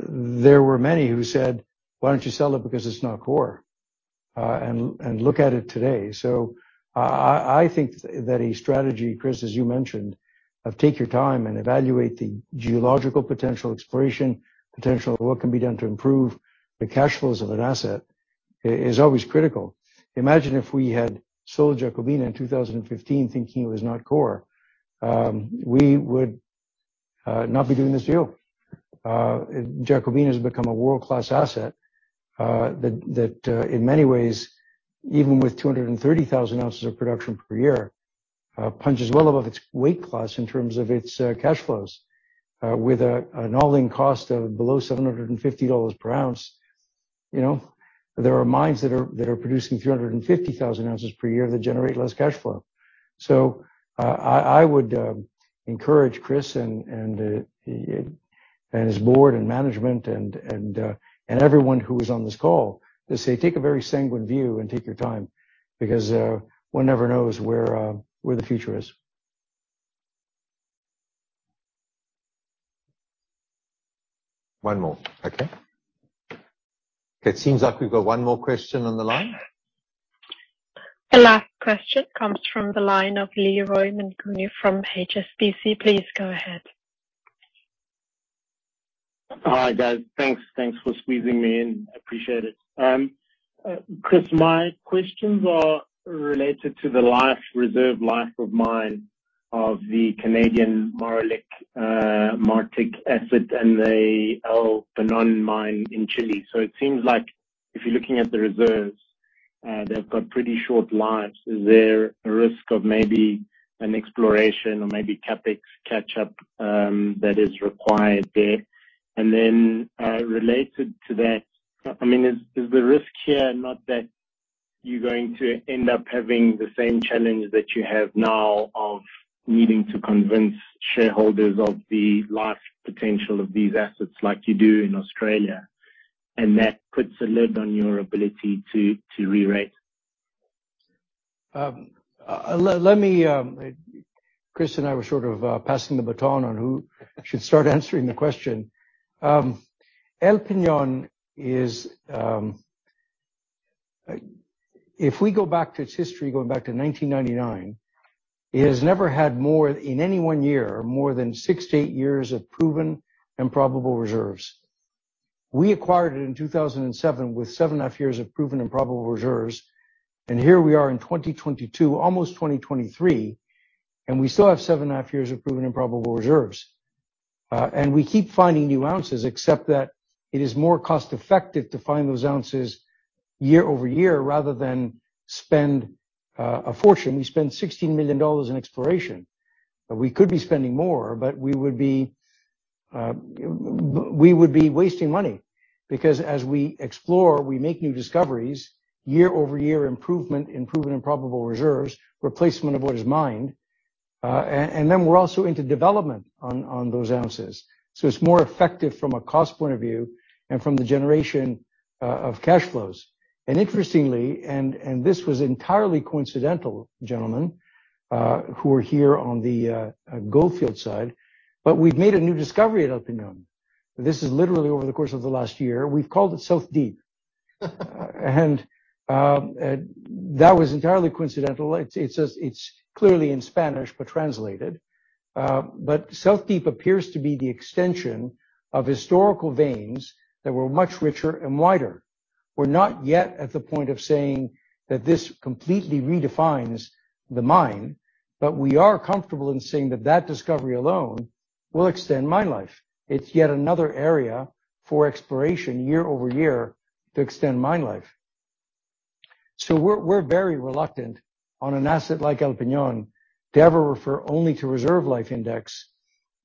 there were many who said, "Why don't you sell it because it's not core?" And look at it today. I think that a strategy, Chris, as you mentioned, of take your time and evaluate the geological potential, exploration potential, what can be done to improve the cash flows of an asset is always critical. Imagine if we had sold Jacobina in 2015 thinking it was not core. We would not be doing this deal. Jacobina has become a world-class asset that in many ways, even with 230,000 ounces of production per year, punches well above its weight class in terms of its cash flows. With an all-in cost of below $750 per ounce, you know, there are mines that are producing 350,000 ounces per year that generate less cash flow. I would encourage Chris and his board and management and everyone who is on this call to say, "Take a very sanguine view and take your time," because one never knows where the future is. One more. Okay. It seems like we've got one more question on the line. The last question comes from the line of Leroy Mnguni from HSBC. Please go ahead. Hi, guys. Thanks. Thanks for squeezing me in. I appreciate it. Chris, my questions are related to the life, reserve life of mine, of the Canadian Malartic asset and the El Peñón mine in Chile. It seems like if you're looking at the reserves, they've got pretty short lives. Is there a risk of maybe an exploration or maybe CapEx catch-up that is required there? Related to that, is the risk here not that- You're going to end up having the same challenge that you have now of needing to convince shareholders of the life potential of these assets like you do in Australia, and that puts a lid on your ability to rerate. Let me, Chris and I were sort of passing the baton on who should start answering the question. El Peñón is, if we go back to its history going back to 1999, it has never had more in any one year, more than six to eight years of proven and probable reserves. We acquired it in 2007 with seven and a half years of proven and probable reserves, and here we are in 2022, almost 2023, and we still have seven and a half years of proven and probable reserves. We keep finding new ounces, except that it is more cost effective to find those ounces year-over-year rather than spend a fortune. We spend $16 million in exploration. We could be spending more, but we would be wasting money because as we explore, we make new discoveries, year-over-year improvement in proven and probable reserves, replacement of what is mined, and then we're also into development on those ounces. It's more effective from a cost point of view and from the generation of cash flows. Interestingly, and this was entirely coincidental, gentlemen, who are here on the Gold Fields side, but we've made a new discovery at El Peñón. This is literally over the course of the last year. We've called it South Deep. That was entirely coincidental. It's clearly in Spanish, but translated. But South Deep appears to be the extension of historical veins that were much richer and wider. We're not yet at the point of saying that this completely redefines the mine, but we are comfortable in saying that that discovery alone will extend mine life. It's yet another area for exploration year-over-year to extend mine life. We're very reluctant on an asset like El Peñón to ever refer only to reserve life index,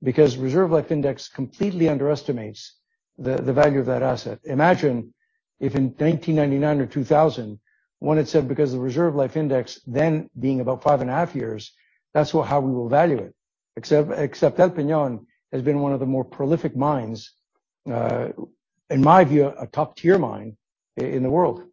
because reserve life index completely underestimates the value of that asset. Imagine if in 1999 or 2000, one had said because the reserve life index then being about 5.5 years, that's how we will value it. Except El Peñón has been one of the more prolific mines, in my view, a top-tier mine in the world.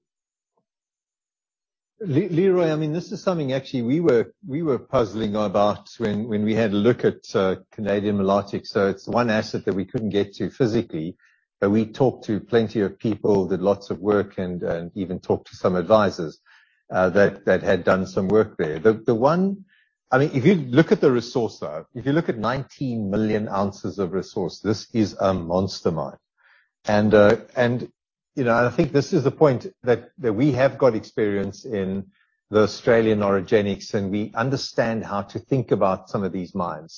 Leroy, I mean, this is something actually we were puzzling about when we had a look at Canadian Malartic. It's one asset that we couldn't get to physically, but we talked to plenty of people, did lots of work and even talked to some advisors that had done some work there. I mean, if you look at the resource, though, if you look at 19 million ounces of resource, this is a monster mine. You know, I think this is the point that we have got experience in the Australian orogenic, and we understand how to think about some of these mines.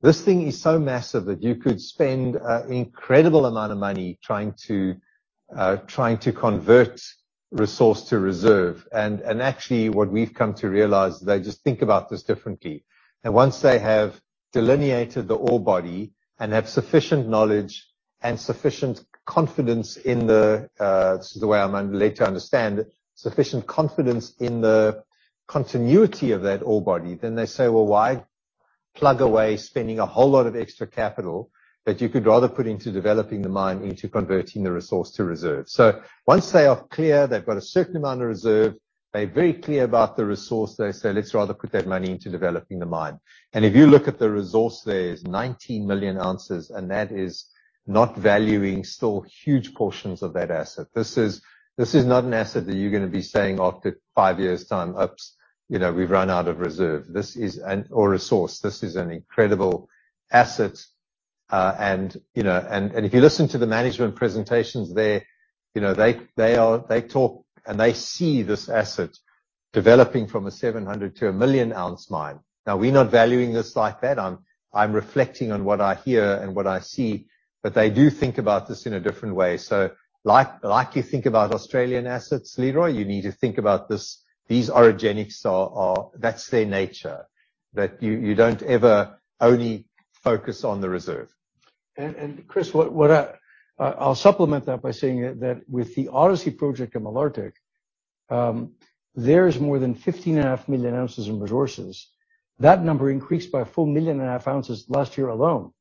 This thing is so massive that you could spend an incredible amount of money trying to convert resource to reserve. Actually what we've come to realize, they just think about this differently. Once they have delineated the ore body and have sufficient knowledge and sufficient confidence in the, this is the way I'm led to understand it, sufficient confidence in the continuity of that ore body, then they say, "Well, why plug away spending a whole lot of extra capital that you could rather put into developing the mine into converting the resource to reserve?" Once they are clear, they've got a certain amount of reserve, they're very clear about the resource, they say, "Let's rather put that money into developing the mine." If you look at the resource, there is 19 million ounces, and that is not valuing still huge portions of that asset. This is not an asset that you're gonna be saying after five years' time, "Oops, you know, we've run out of reserve." This is an incredible asset. If you listen to the management presentations there, you know, they talk and they see this asset developing from a 700 to a 1 million ounce mine. Now, we're not valuing this like that. I'm reflecting on what I hear and what I see, but they do think about this in a different way. Like you think about Australian assets, Leroy, you need to think about this. These orogenic are, that's their nature, that you don't ever only focus on the reserve. Chris, I'll supplement that by saying that with the Odyssey project at Canadian Malartic, there's more than 15.5 million ounces in resources. That number increased by a full 1.5 million ounces last year alone.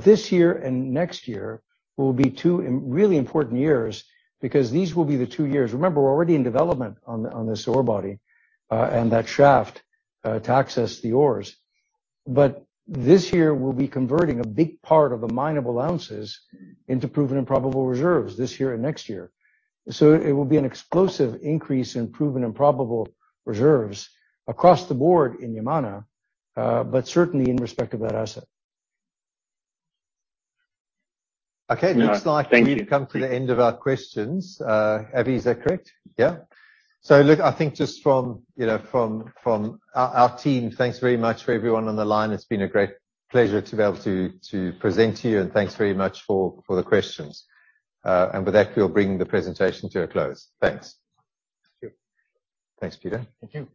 This year and next year will be two really important years because these will be the two years. Remember, we're already in development on this ore body, and that shaft to access the ores. This year, we'll be converting a big part of the mineable ounces into proven and probable reserves this year and next year. It will be an explosive increase in proven and probable reserves across the board in Yamana, but certainly in respect of that asset. Okay. Yeah. Thank you. Looks like we've come to the end of our questions. Avi, is that correct? Yeah. Look, I think just from, you know, our team, thanks very much for everyone on the line. It's been a great pleasure to present to you and thanks very much for the questions. With that, we'll bring the presentation to a close. Thanks. Thank you. Thanks, Peter. Thank you.